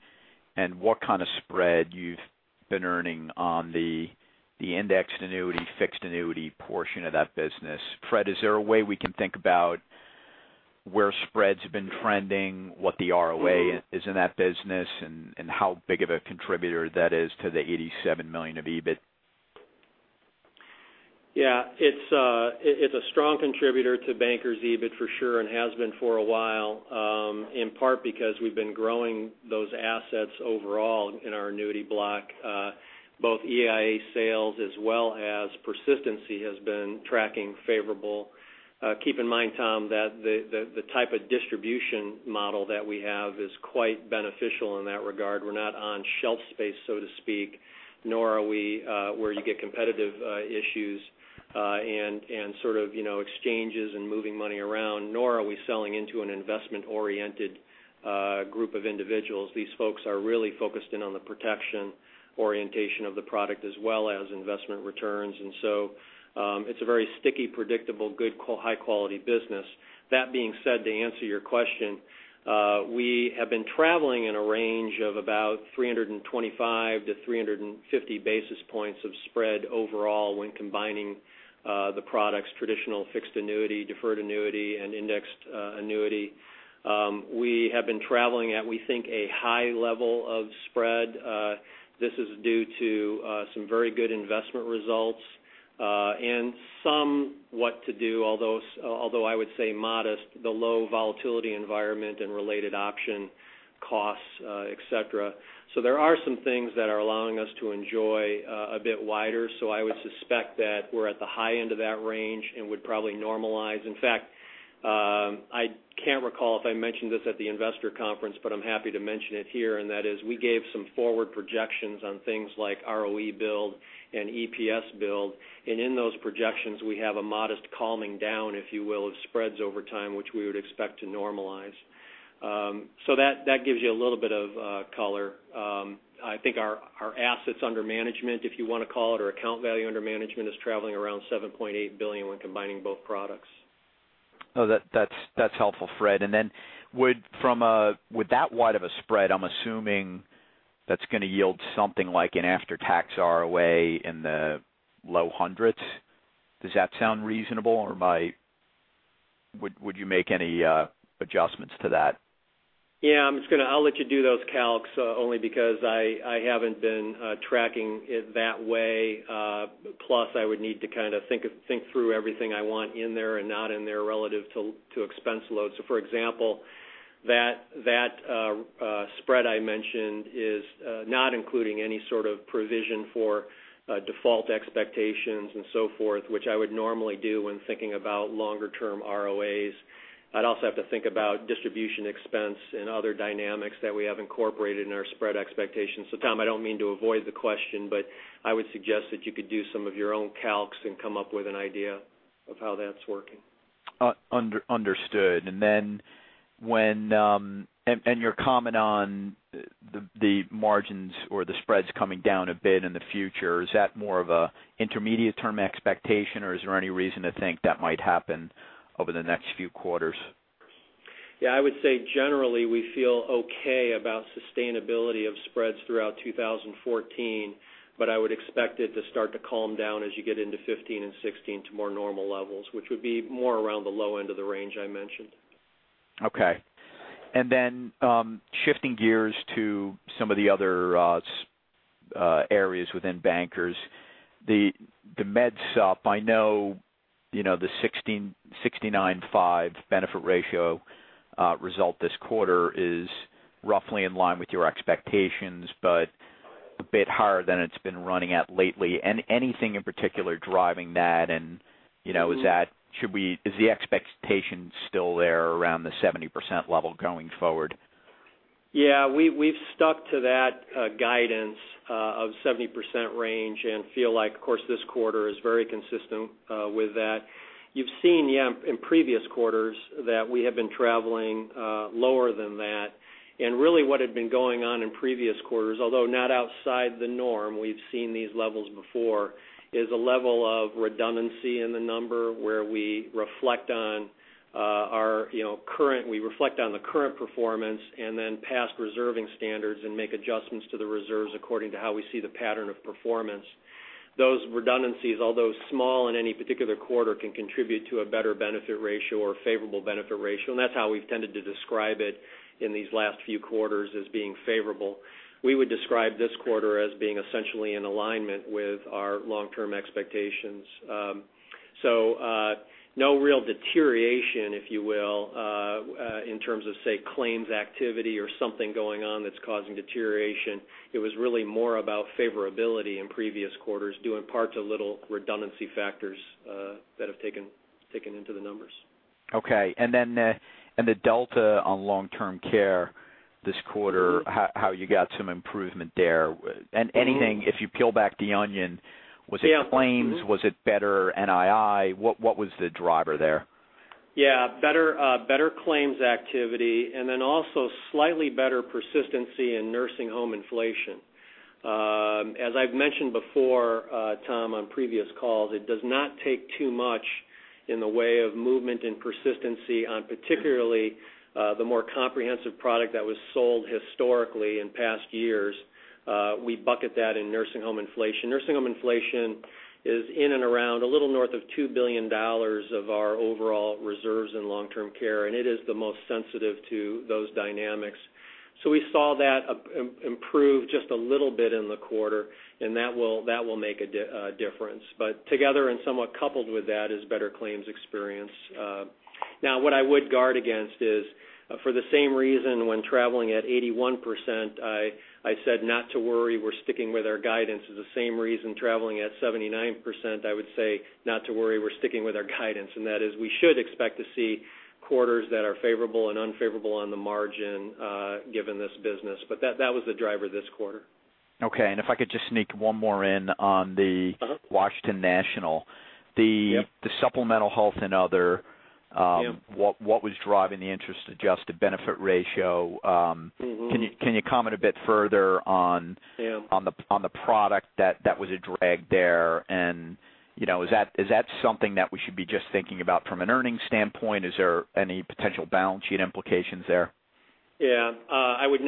what kind of spread you've been earning on the indexed annuity, fixed annuity portion of that business. Fred, is there a way we can think about where spreads have been trending, what the ROA is in that business, and how big of a contributor that is to the $87 million of EBIT? Yeah. It's a strong contributor to Bankers' EBIT for sure and has been for a while, in part because we've been growing those assets overall in our annuity block. Both EIA sales as well as persistency has been tracking favorable. Keep in mind, Tom, that the type of distribution model that we have is quite beneficial in that regard. We're not on shelf space, so to speak, nor are we where you get competitive issues and sort of exchanges and moving money around, nor are we selling into an investment-oriented group of individuals. These folks are really focused in on the protection orientation of the product as well as investment returns. It's a very sticky, predictable, good, high-quality business. That being said, to answer your question, we have been traveling in a range of about 325 to 350 basis points of spread overall when combining the products traditional fixed annuity, deferred annuity, and indexed annuity. We have been traveling at, we think, a high level of spread. This is due to some very good investment results, and somewhat to do, although I would say modest, the low volatility environment and related option costs, et cetera. There are some things that are allowing us to enjoy a bit wider. I would suspect that we're at the high end of that range and would probably normalize. In fact, I can't recall if I mentioned this at the investor conference, but I'm happy to mention it here, and that is we gave some forward projections on things like ROE build and EPS build. In those projections, we have a modest calming down, if you will, of spreads over time, which we would expect to normalize. That gives you a little bit of color. I think our assets under management, if you want to call it, or account value under management, is traveling around $7.8 billion when combining both products. That's helpful, Fred. With that wide of a spread, I'm assuming that's going to yield something like an after-tax ROA in the low hundreds. Does that sound reasonable, or would you make any adjustments to that? Yeah. I'll let you do those calcs only because I haven't been tracking it that way. Plus, I would need to kind of think through everything I want in there and not in there relative to expense loads. For example, that spread I mentioned is not including any sort of provision for default expectations and so forth, which I would normally do when thinking about longer term ROAs. I'd also have to think about distribution expense and other dynamics that we have incorporated in our spread expectations. Tom, I don't mean to avoid the question, but I would suggest that you could do some of your own calcs and come up with an idea of how that's working. Understood. Your comment on the margins or the spreads coming down a bit in the future, is that more of an intermediate-term expectation, or is there any reason to think that might happen over the next few quarters? Yeah, I would say generally we feel okay about sustainability of spreads throughout 2014, but I would expect it to start to calm down as you get into 2015 and 2016 to more normal levels, which would be more around the low end of the range I mentioned. Okay. Then, shifting gears to some of the other areas within Bankers. The MedSup, I know the 69.5 benefit ratio result this quarter is roughly in line with your expectations, but a bit higher than it's been running at lately. Anything in particular driving that and is the expectation still there around the 70% level going forward? Yeah. We've stuck to that guidance of 70% range and feel like, of course, this quarter is very consistent with that. You've seen, yeah, in previous quarters that we have been traveling lower than that. Really what had been going on in previous quarters, although not outside the norm, we've seen these levels before, is a level of redundancy in the number where we reflect on the current performance and then past reserving standards and make adjustments to the reserves according to how we see the pattern of performance. Those redundancies, although small in any particular quarter, can contribute to a better benefit ratio or favorable benefit ratio, and that's how we've tended to describe it in these last few quarters as being favorable. We would describe this quarter as being essentially in alignment with our long-term expectations. No real deterioration, if you will, in terms of, say, claims activity or something going on that's causing deterioration. It was really more about favorability in previous quarters, due in part to little redundancy factors that have taken into the numbers. Okay. The delta on long-term care this quarter, how you got some improvement there. Anything, if you peel back the onion, was it claims? Was it better NII? What was the driver there? Better claims activity also slightly better persistency in nursing home inflation. As I've mentioned before, Tom, on previous calls, it does not take too much in the way of movement and persistency on particularly the more comprehensive product that was sold historically in past years. We bucket that in nursing home inflation. Nursing home inflation is in and around a little north of $2 billion of our overall reserves in long-term care, and it is the most sensitive to those dynamics. We saw that improve just a little bit in the quarter, and that will make a difference. Together and somewhat coupled with that is better claims experience. Now, what I would guard against is, for the same reason when traveling at 81%, I said not to worry, we're sticking with our guidance is the same reason traveling at 79%, I would say not to worry, we're sticking with our guidance. That is, we should expect to see quarters that are favorable and unfavorable on the margin given this business. That was the driver this quarter. Okay. If I could just sneak one more in on the Washington National. Yep. The supplemental health and. Yep. What was driving the interest adjusted benefit ratio? Can you comment a bit further. Yeah Is that something that we should be just thinking about from an earnings standpoint? Is there any potential balance sheet implications there? Yeah. I would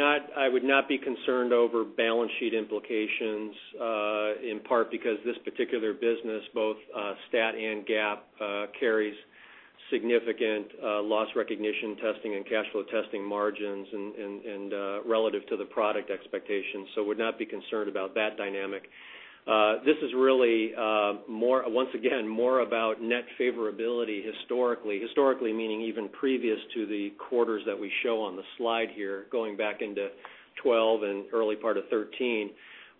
not be concerned over balance sheet implications, in part because this particular business, both stat and GAAP, carries significant loss recognition testing and cash flow testing margins and relative to the product expectations. Would not be concerned about that dynamic. This is really, once again, more about net favorability historically. Historically meaning even previous to the quarters that we show on the slide here, going back into 2012 and early part of 2013,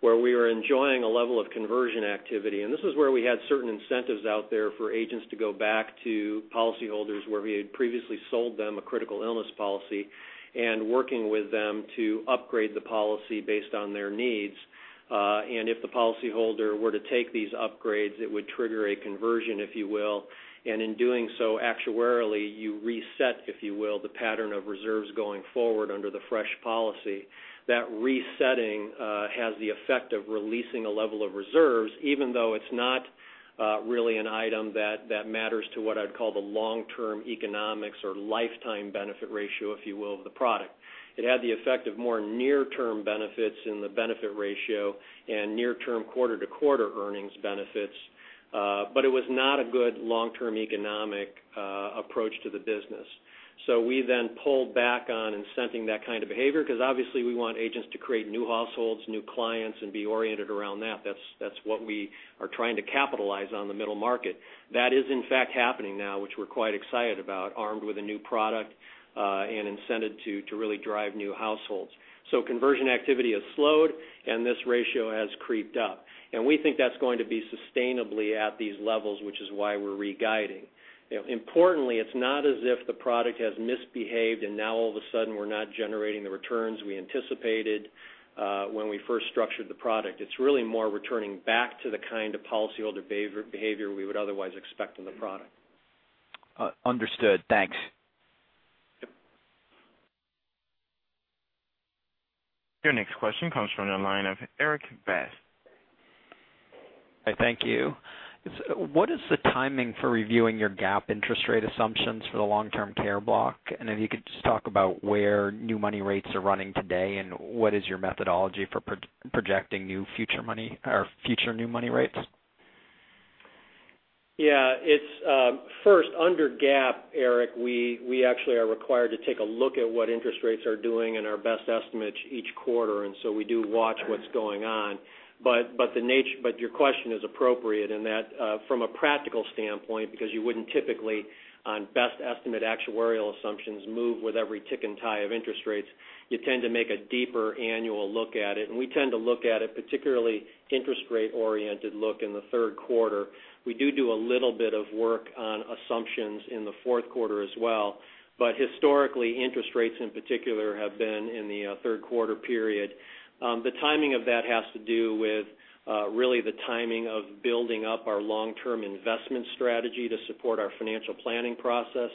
where we were enjoying a level of conversion activity. This is where we had certain incentives out there for agents to go back to policyholders where we had previously sold them a critical illness policy and working with them to upgrade the policy based on their needs. If the policyholder were to take these upgrades, it would trigger a conversion, if you will. In doing so, actuarially, you reset, if you will, the pattern of reserves going forward under the fresh policy. That resetting has the effect of releasing a level of reserves, even though it's not really an item that matters to what I'd call the long-term economics or lifetime benefit ratio, if you will, of the product. It had the effect of more near-term benefits in the benefit ratio and near-term quarter-to-quarter earnings benefits. It was not a good long-term economic approach to the business. We then pulled back on incenting that kind of behavior because obviously we want agents to create new households, new clients, and be oriented around that. That's what we are trying to capitalize on the middle market. That is in fact happening now, which we're quite excited about, armed with a new product, and incented to really drive new households. Conversion activity has slowed, and this ratio has creeped up. We think that's going to be sustainably at these levels, which is why we're re-guiding. Importantly, it's not as if the product has misbehaved and now all of a sudden we're not generating the returns we anticipated when we first structured the product. It's really more returning back to the kind of policyholder behavior we would otherwise expect from the product. Understood. Thanks. Yep. Your next question comes from the line of Erik Bass. Thank you. What is the timing for reviewing your GAAP interest rate assumptions for the long-term care block? If you could just talk about where new money rates are running today, and what is your methodology for projecting future new money rates? Yeah. First, under GAAP, Erik, we actually are required to take a look at what interest rates are doing and our best estimates each quarter. So we do watch what's going on. Your question is appropriate in that from a practical standpoint, because you wouldn't typically, on best estimate actuarial assumptions, move with every tick and tie of interest rates. You tend to make a deeper annual look at it. We tend to look at it, particularly interest rate-oriented look in the third quarter. We do a little bit of work on assumptions in the fourth quarter as well. Historically, interest rates in particular have been in the third quarter period. The timing of that has to do with really the timing of building up our long-term investment strategy to support our financial planning process.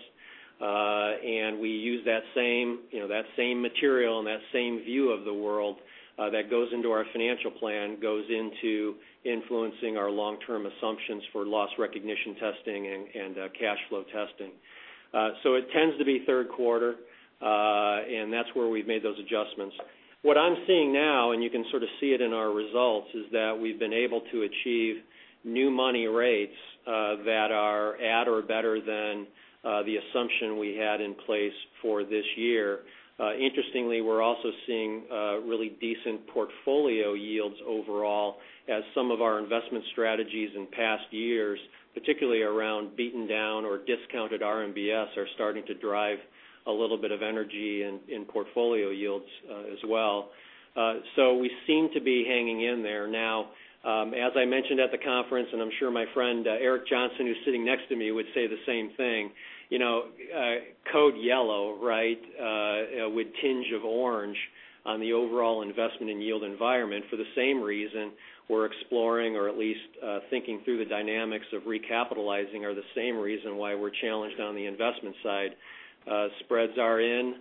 We use that same material and that same view of the world that goes into our financial plan, goes into influencing our long-term assumptions for loss recognition testing and cash flow testing. It tends to be third quarter, and that's where we've made those adjustments. What I'm seeing now, and you can sort of see it in our results, is that we've been able to achieve new money rates that are at or better than the assumption we had in place for this year. Interestingly, we're also seeing really decent portfolio yields overall as some of our investment strategies in past years, particularly around beaten down or discounted RMBS, are starting to drive a little bit of energy in portfolio yields as well. We seem to be hanging in there. As I mentioned at the conference, and I'm sure my friend Eric Johnson, who's sitting next to me, would say the same thing. Code yellow, with tinge of orange on the overall investment in yield environment for the same reason we're exploring or at least thinking through the dynamics of recapitalizing are the same reason why we're challenged on the investment side. Spreads are in,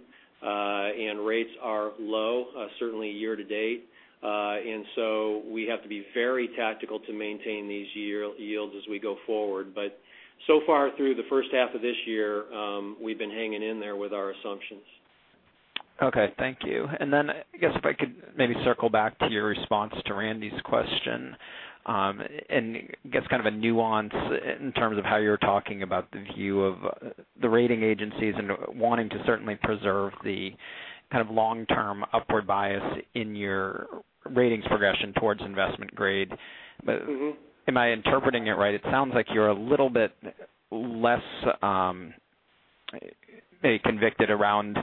rates are low, certainly year to date. We have to be very tactical to maintain these yields as we go forward. So far through the first half of this year, we've been hanging in there with our assumptions. Okay. Thank you. I guess if I could maybe circle back to your response to Randy's question, and I guess kind of a nuance in terms of how you're talking about the view of the rating agencies and wanting to certainly preserve the kind of long-term upward bias in your ratings progression towards investment grade. Am I interpreting it right? It sounds like you're a little bit less convicted around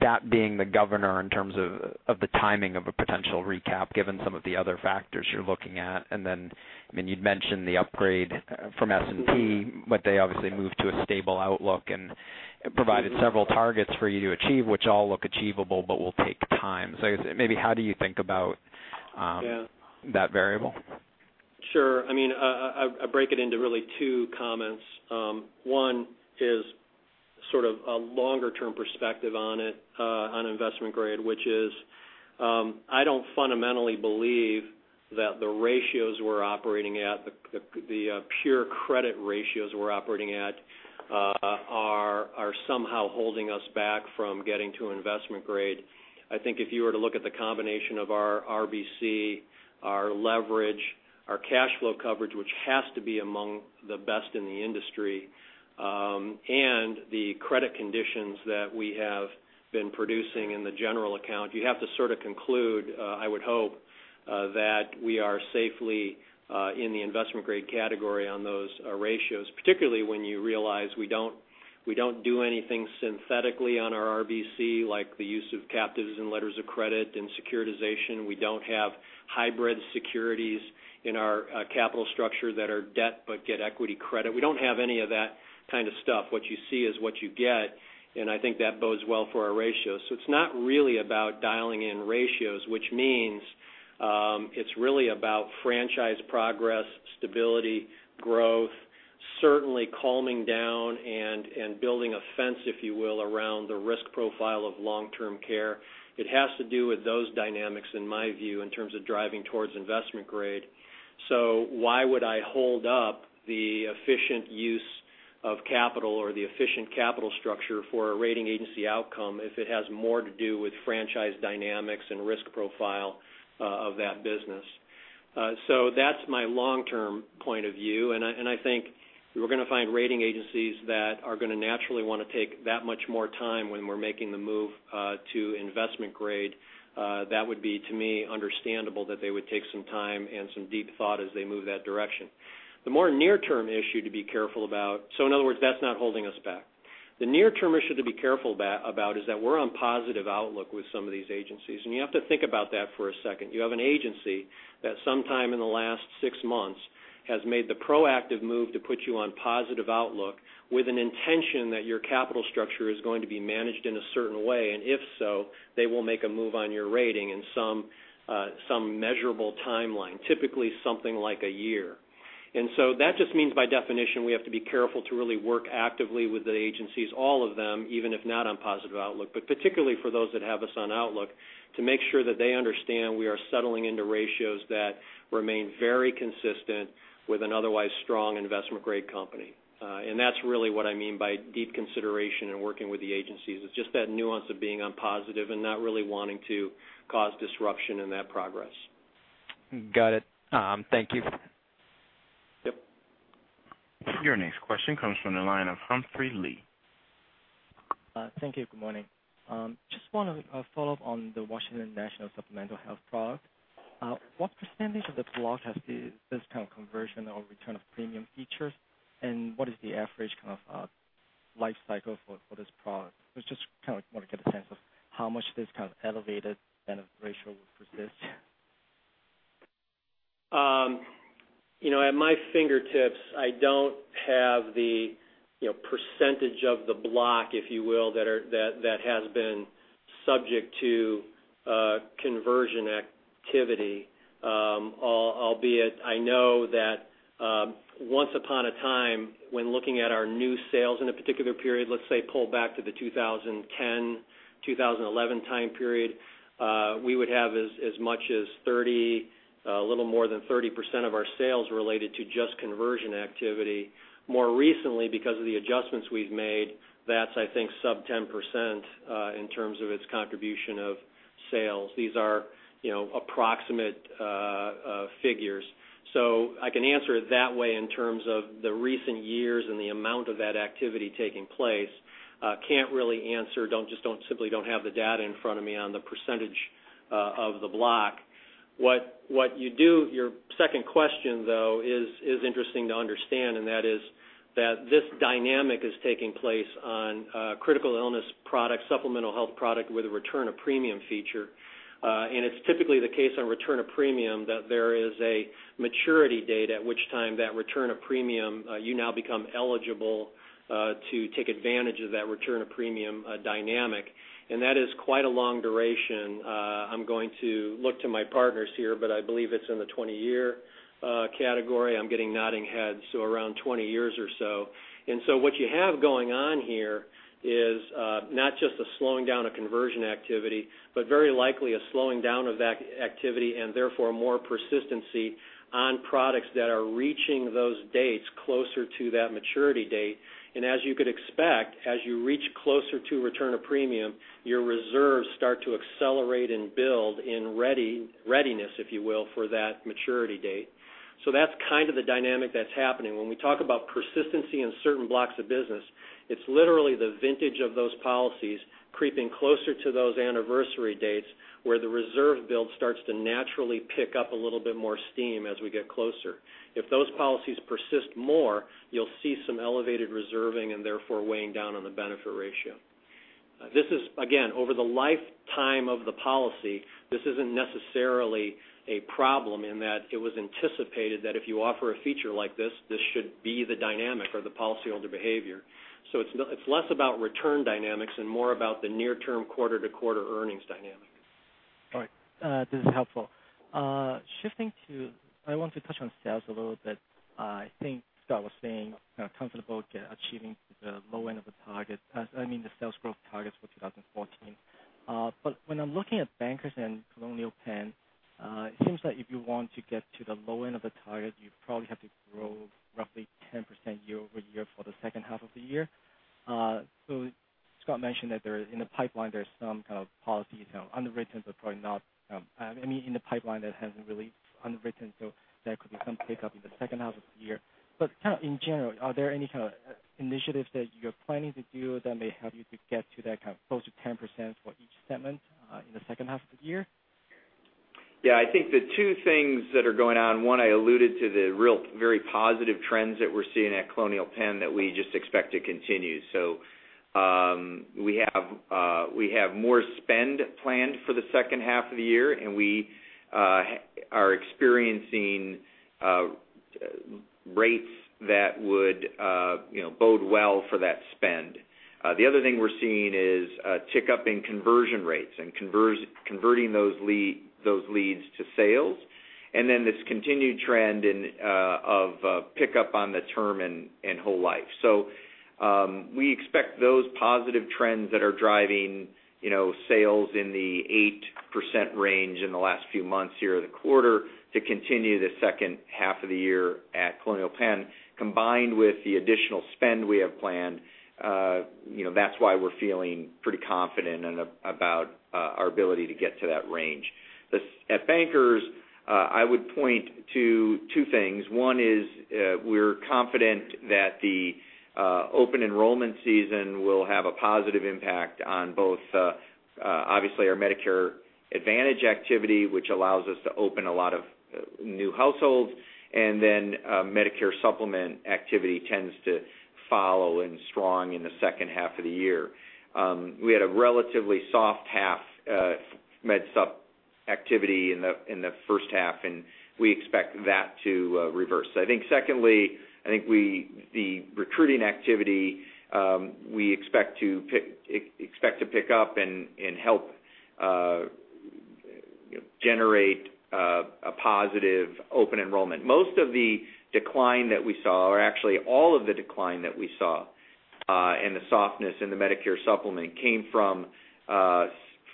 that being the governor in terms of the timing of a potential recap, given some of the other factors you're looking at. You'd mentioned the upgrade from S&P, but they obviously moved to a stable outlook and provided several targets for you to achieve, which all look achievable but will take time. I guess maybe how do you think about that variable? Sure. I break it into really two comments. One is sort of a longer-term perspective on it, on investment grade, which is, I don't fundamentally believe that the ratios we're operating at, the pure credit ratios we're operating at are somehow holding us back from getting to investment grade. I think if you were to look at the combination of our RBC, our leverage, our cash flow coverage, which has to be among the best in the industry, and the credit conditions that we have been producing in the general account, you have to sort of conclude, I would hope, that we are safely in the investment-grade category on those ratios. Particularly when you realize we don't do anything synthetically on our RBC, like the use of captives and letters of credit and securitization. We don't have hybrid securities in our capital structure that are debt but get equity credit. We don't have any of that kind of stuff. What you see is what you get, and I think that bodes well for our ratios. It's not really about dialing in ratios, which means it's really about franchise progress, stability, growth, certainly calming down and building a fence, if you will, around the risk profile of long-term care. It has to do with those dynamics in my view, in terms of driving towards investment grade. Why would I hold up the efficient use of capital or the efficient capital structure for a rating agency outcome if it has more to do with franchise dynamics and risk profile of that business? That's my long-term point of view, and I think we're going to find rating agencies that are going to naturally want to take that much more time when we're making the move to investment grade. That would be, to me, understandable that they would take some time and some deep thought as they move that direction. The near-term issue to be careful about is that we're on positive outlook with some of these agencies, and you have to think about that for a second. You have an agency that sometime in the last six months has made the proactive move to put you on positive outlook with an intention that your capital structure is going to be managed in a certain way, and if so, they will make a move on your rating. Some measurable timeline, typically something like one year. That just means by definition, we have to be careful to really work actively with the agencies, all of them, even if not on positive outlook, but particularly for those that have us on outlook, to make sure that they understand we are settling into ratios that remain very consistent with an otherwise strong investment-grade company. That's really what I mean by deep consideration and working with the agencies. It's just that nuance of being on positive and not really wanting to cause disruption in that progress. Got it. Thank you. Yep. Your next question comes from the line of Humphrey Lee. Thank you. Good morning. Just want to follow up on the Washington National Supplemental Health product. What percentage of the block has this kind of conversion or return of premium features? What is the average kind of life cycle for this product? I just want to get a sense of how much this kind of elevated benefit ratio will persist. At my fingertips, I don't have the percentage of the block, if you will, that has been subject to conversion activity. Albeit, I know that once upon a time, when looking at our new sales in a particular period, let's say pull back to the 2010, 2011 time period, we would have as much as a little more than 30% of our sales related to just conversion activity. More recently, because of the adjustments we've made, that's, I think, sub 10% in terms of its contribution of sales. These are approximate figures. I can answer it that way in terms of the recent years and the amount of that activity taking place. Can't really answer, simply don't have the data in front of me on the percentage of the block. Your second question, though, is interesting to understand, and that is that this dynamic is taking place on critical illness products, supplemental health product with a return of premium feature. It's typically the case on return of premium that there is a maturity date, at which time that return of premium, you now become eligible to take advantage of that return of premium dynamic. That is quite a long duration. I'm going to look to my partners here, but I believe it's in the 20-year category. I'm getting nodding heads, so around 20 years or so. What you have going on here is not just a slowing down of conversion activity, but very likely a slowing down of that activity and therefore more persistency on products that are reaching those dates closer to that maturity date. As you could expect, as you reach closer to return of premium, your reserves start to accelerate and build in readiness, if you will, for that maturity date. That's kind of the dynamic that's happening. When we talk about persistency in certain blocks of business, it's literally the vintage of those policies creeping closer to those anniversary dates, where the reserve build starts to naturally pick up a little bit more steam as we get closer. If those policies persist more, you'll see some elevated reserving and therefore weighing down on the benefit ratio. This is again, over the lifetime of the policy. This isn't necessarily a problem in that it was anticipated that if you offer a feature like this should be the dynamic or the policyholder behavior. It's less about return dynamics and more about the near-term quarter-to-quarter earnings dynamic. This is helpful. I want to touch on sales a little bit. I think Scott was saying, comfortable achieving the low end of the target, the sales growth targets for 2014. When I'm looking at Bankers Life and Colonial Penn, it seems like if you want to get to the low end of the target, you probably have to grow roughly 10% year-over-year for the second half of the year. Scott mentioned that in the pipeline, there's some kind of policy in the pipeline that hasn't really unwritten, there could be some pickup in the second half of the year. In general, are there any kind of initiatives that you're planning to do that may help you to get to that kind of closer to 10% for each segment in the second half of the year? Yeah, I think the two things that are going on, one, I alluded to the real very positive trends that we're seeing at Colonial Penn that we just expect to continue. We have more spend planned for the second half of the year, and we are experiencing rates that would bode well for that spend. The other thing we're seeing is a tick-up in conversion rates and converting those leads to sales. This continued trend of pick up on the term in whole life. We expect those positive trends that are driving sales in the 8% range in the last few months here in the quarter to continue the second half of the year at Colonial Penn, combined with the additional spend we have planned. That's why we're feeling pretty confident about our ability to get to that range. At Bankers, I would point to two things. One is we're confident that the open enrollment season will have a positive impact on both, obviously our Medicare Advantage activity, which allows us to open a lot of new households. Medicare Supplement activity tends to follow and strong in the second half of the year. We had a relatively soft half MedSup activity in the first half. We expect that to reverse. Secondly, I think the recruiting activity we expect to pick up and help generate a positive open enrollment. Most of the decline that we saw, or actually all of the decline that we saw, and the softness in the Medicare Supplement came from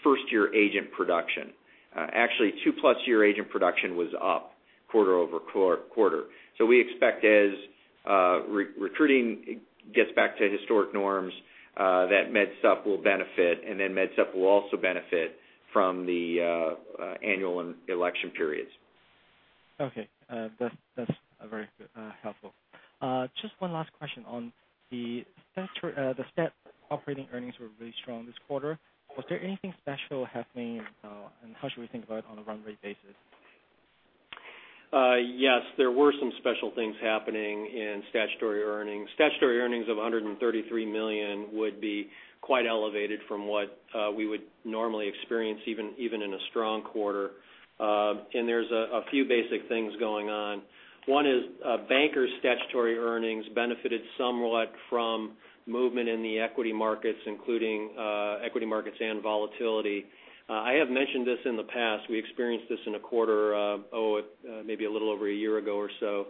first-year agent production. Actually, two-plus year agent production was up quarter-over-quarter. We expect as recruiting gets back to historic norms, that MedSup will benefit. MedSup will also benefit from the annual election periods. Okay. That's very helpful. Just one last question on the stat operating earnings were really strong this quarter. Was there anything special happening, and how should we think about it on a run rate basis? Yes, there were some special things happening in statutory earnings. Statutory earnings of $133 million would be quite elevated from what we would normally experience even in a strong quarter. There's a few basic things going on. One is Bankers statutory earnings benefited somewhat from movement in the equity markets, including equity markets and volatility. I have mentioned this in the past. We experienced this in a quarter, maybe a little over a year ago or so,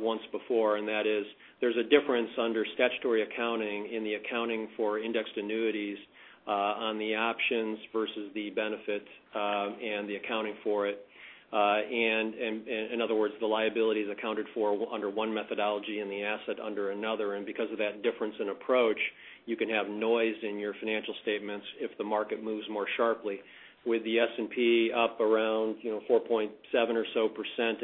once before, and that is, there's a difference under statutory accounting in the accounting for indexed annuities on the options versus the benefits, and the accounting for it. In other words, the liability is accounted for under one methodology and the asset under another, and because of that difference in approach, you can have noise in your financial statements if the market moves more sharply. With the S&P up around 4.7% or so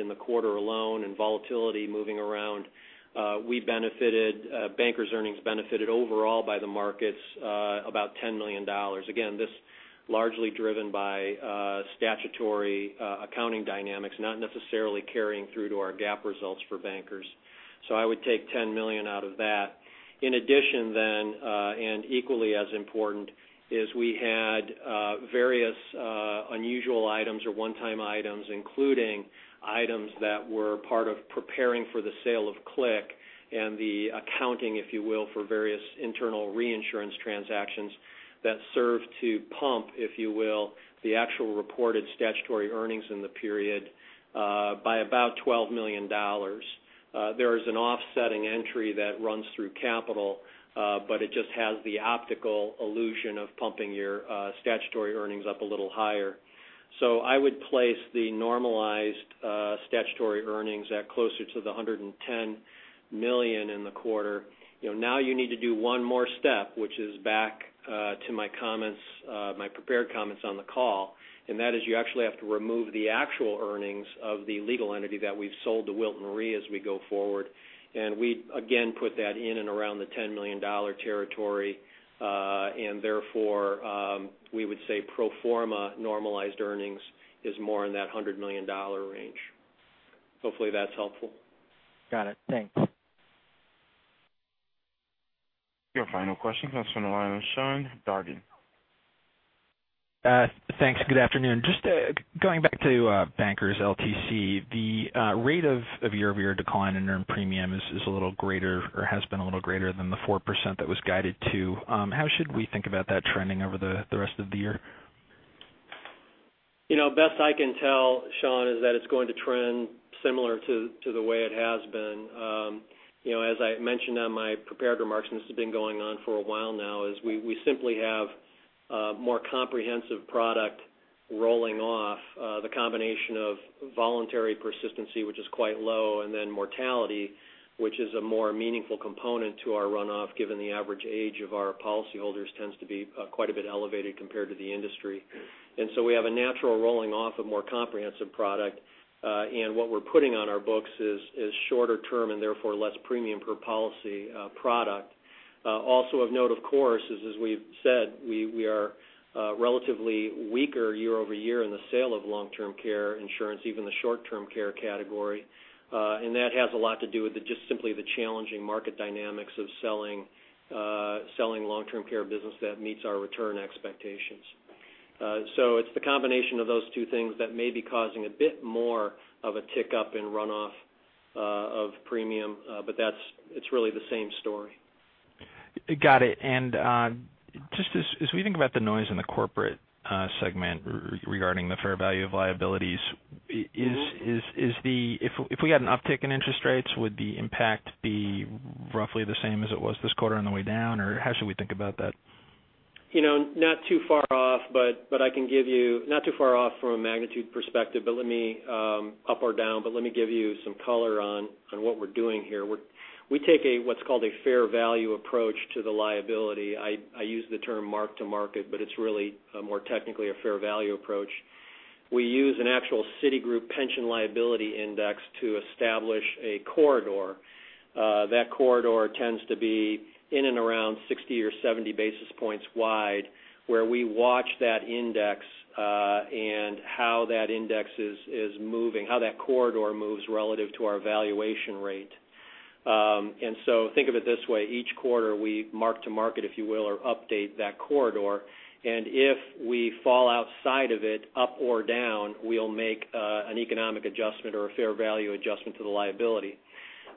in the quarter alone and volatility moving around, Bankers Life earnings benefited overall by the markets, about $10 million. This largely driven by statutory accounting dynamics, not necessarily carrying through to our GAAP results for Bankers Life. I would take $10 million out of that. In addition then, and equally as important, is we had various unusual items or one-time items, including items that were part of preparing for the sale of CLIC and the accounting, if you will, for various internal reinsurance transactions that serve to pump, if you will, the actual reported statutory earnings in the period by about $12 million. There is an offsetting entry that runs through capital, but it just has the optical illusion of pumping your statutory earnings up a little higher. I would place the normalized statutory earnings at closer to the $110 million in the quarter. You need to do one more step, which is back to my prepared comments on the call, and that is you actually have to remove the actual earnings of the legal entity that we've sold to Wilton Re as we go forward. We, again, put that in and around the $10 million territory, and therefore, we would say pro forma normalized earnings is more in that $100 million range. Hopefully, that's helpful. Got it. Thanks. Your final question comes from the line of Sean Dargan. Thanks. Good afternoon. Just going back to Bankers LTC, the rate of year-over-year decline in earned premium is a little greater or has been a little greater than the 4% that was guided to. How should we think about that trending over the rest of the year? Best I can tell, Sean, is that it's going to trend similar to the way it has been. As I mentioned on my prepared remarks, and this has been going on for a while now, is we simply have a more comprehensive product rolling off. The combination of voluntary persistency, which is quite low, and then mortality, which is a more meaningful component to our runoff, given the average age of our policyholders tends to be quite a bit elevated compared to the industry. We have a natural rolling off of more comprehensive product. What we're putting on our books is shorter term and therefore less premium per policy product. Also of note, of course, is as we've said, we are relatively weaker year-over-year in the sale of long-term care insurance, even the short-term care category. That has a lot to do with just simply the challenging market dynamics of selling long-term care business that meets our return expectations. It's the combination of those two things that may be causing a bit more of a tick up in runoff of premium. It's really the same story. Got it. Just as we think about the noise in the corporate segment regarding the fair value of liabilities, if we had an uptick in interest rates, would the impact be roughly the same as it was this quarter on the way down? How should we think about that? Not too far off from a magnitude perspective, up or down, but let me give you some color on what we're doing here. We take what's called a fair value approach to the liability. I use the term mark to market, but it's really more technically a fair value approach. We use an actual Citigroup pension liability index to establish a corridor. That corridor tends to be in and around 60 or 70 basis points wide, where we watch that index, and how that corridor moves relative to our valuation rate. Think of it this way, each quarter we mark to market, if you will, or update that corridor, and if we fall outside of it up or down, we'll make an economic adjustment or a fair value adjustment to the liability.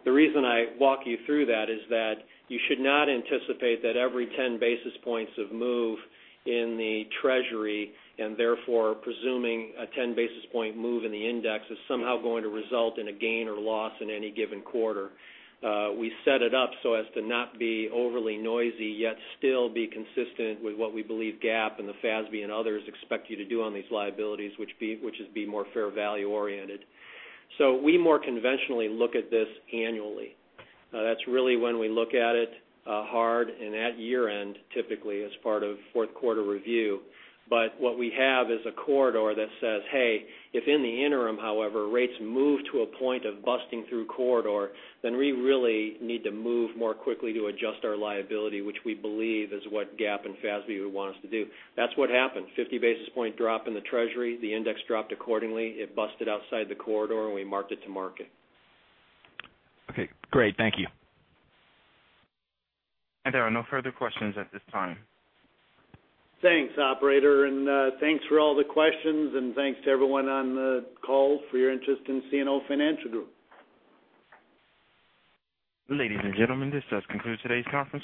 The reason I walk you through that is that you should not anticipate that every 10 basis points of move in the Treasury, and therefore presuming a 10 basis point move in the index is somehow going to result in a gain or loss in any given quarter. We set it up so as to not be overly noisy, yet still be consistent with what we believe GAAP and the FASB and others expect you to do on these liabilities, which is be more fair value oriented. We more conventionally look at this annually. That's really when we look at it hard and at year-end, typically as part of fourth quarter review. What we have is a corridor that says, hey, if in the interim, however, rates move to a point of busting through corridor, we really need to move more quickly to adjust our liability, which we believe is what GAAP and FASB would want us to do. That's what happened. 50 basis point drop in the Treasury, the index dropped accordingly. It busted outside the corridor, and we marked it to market. Okay, great. Thank you. There are no further questions at this time. Thanks, operator, and thanks for all the questions, and thanks to everyone on the call for your interest in CNO Financial Group. Ladies and gentlemen, this does conclude today's conference call.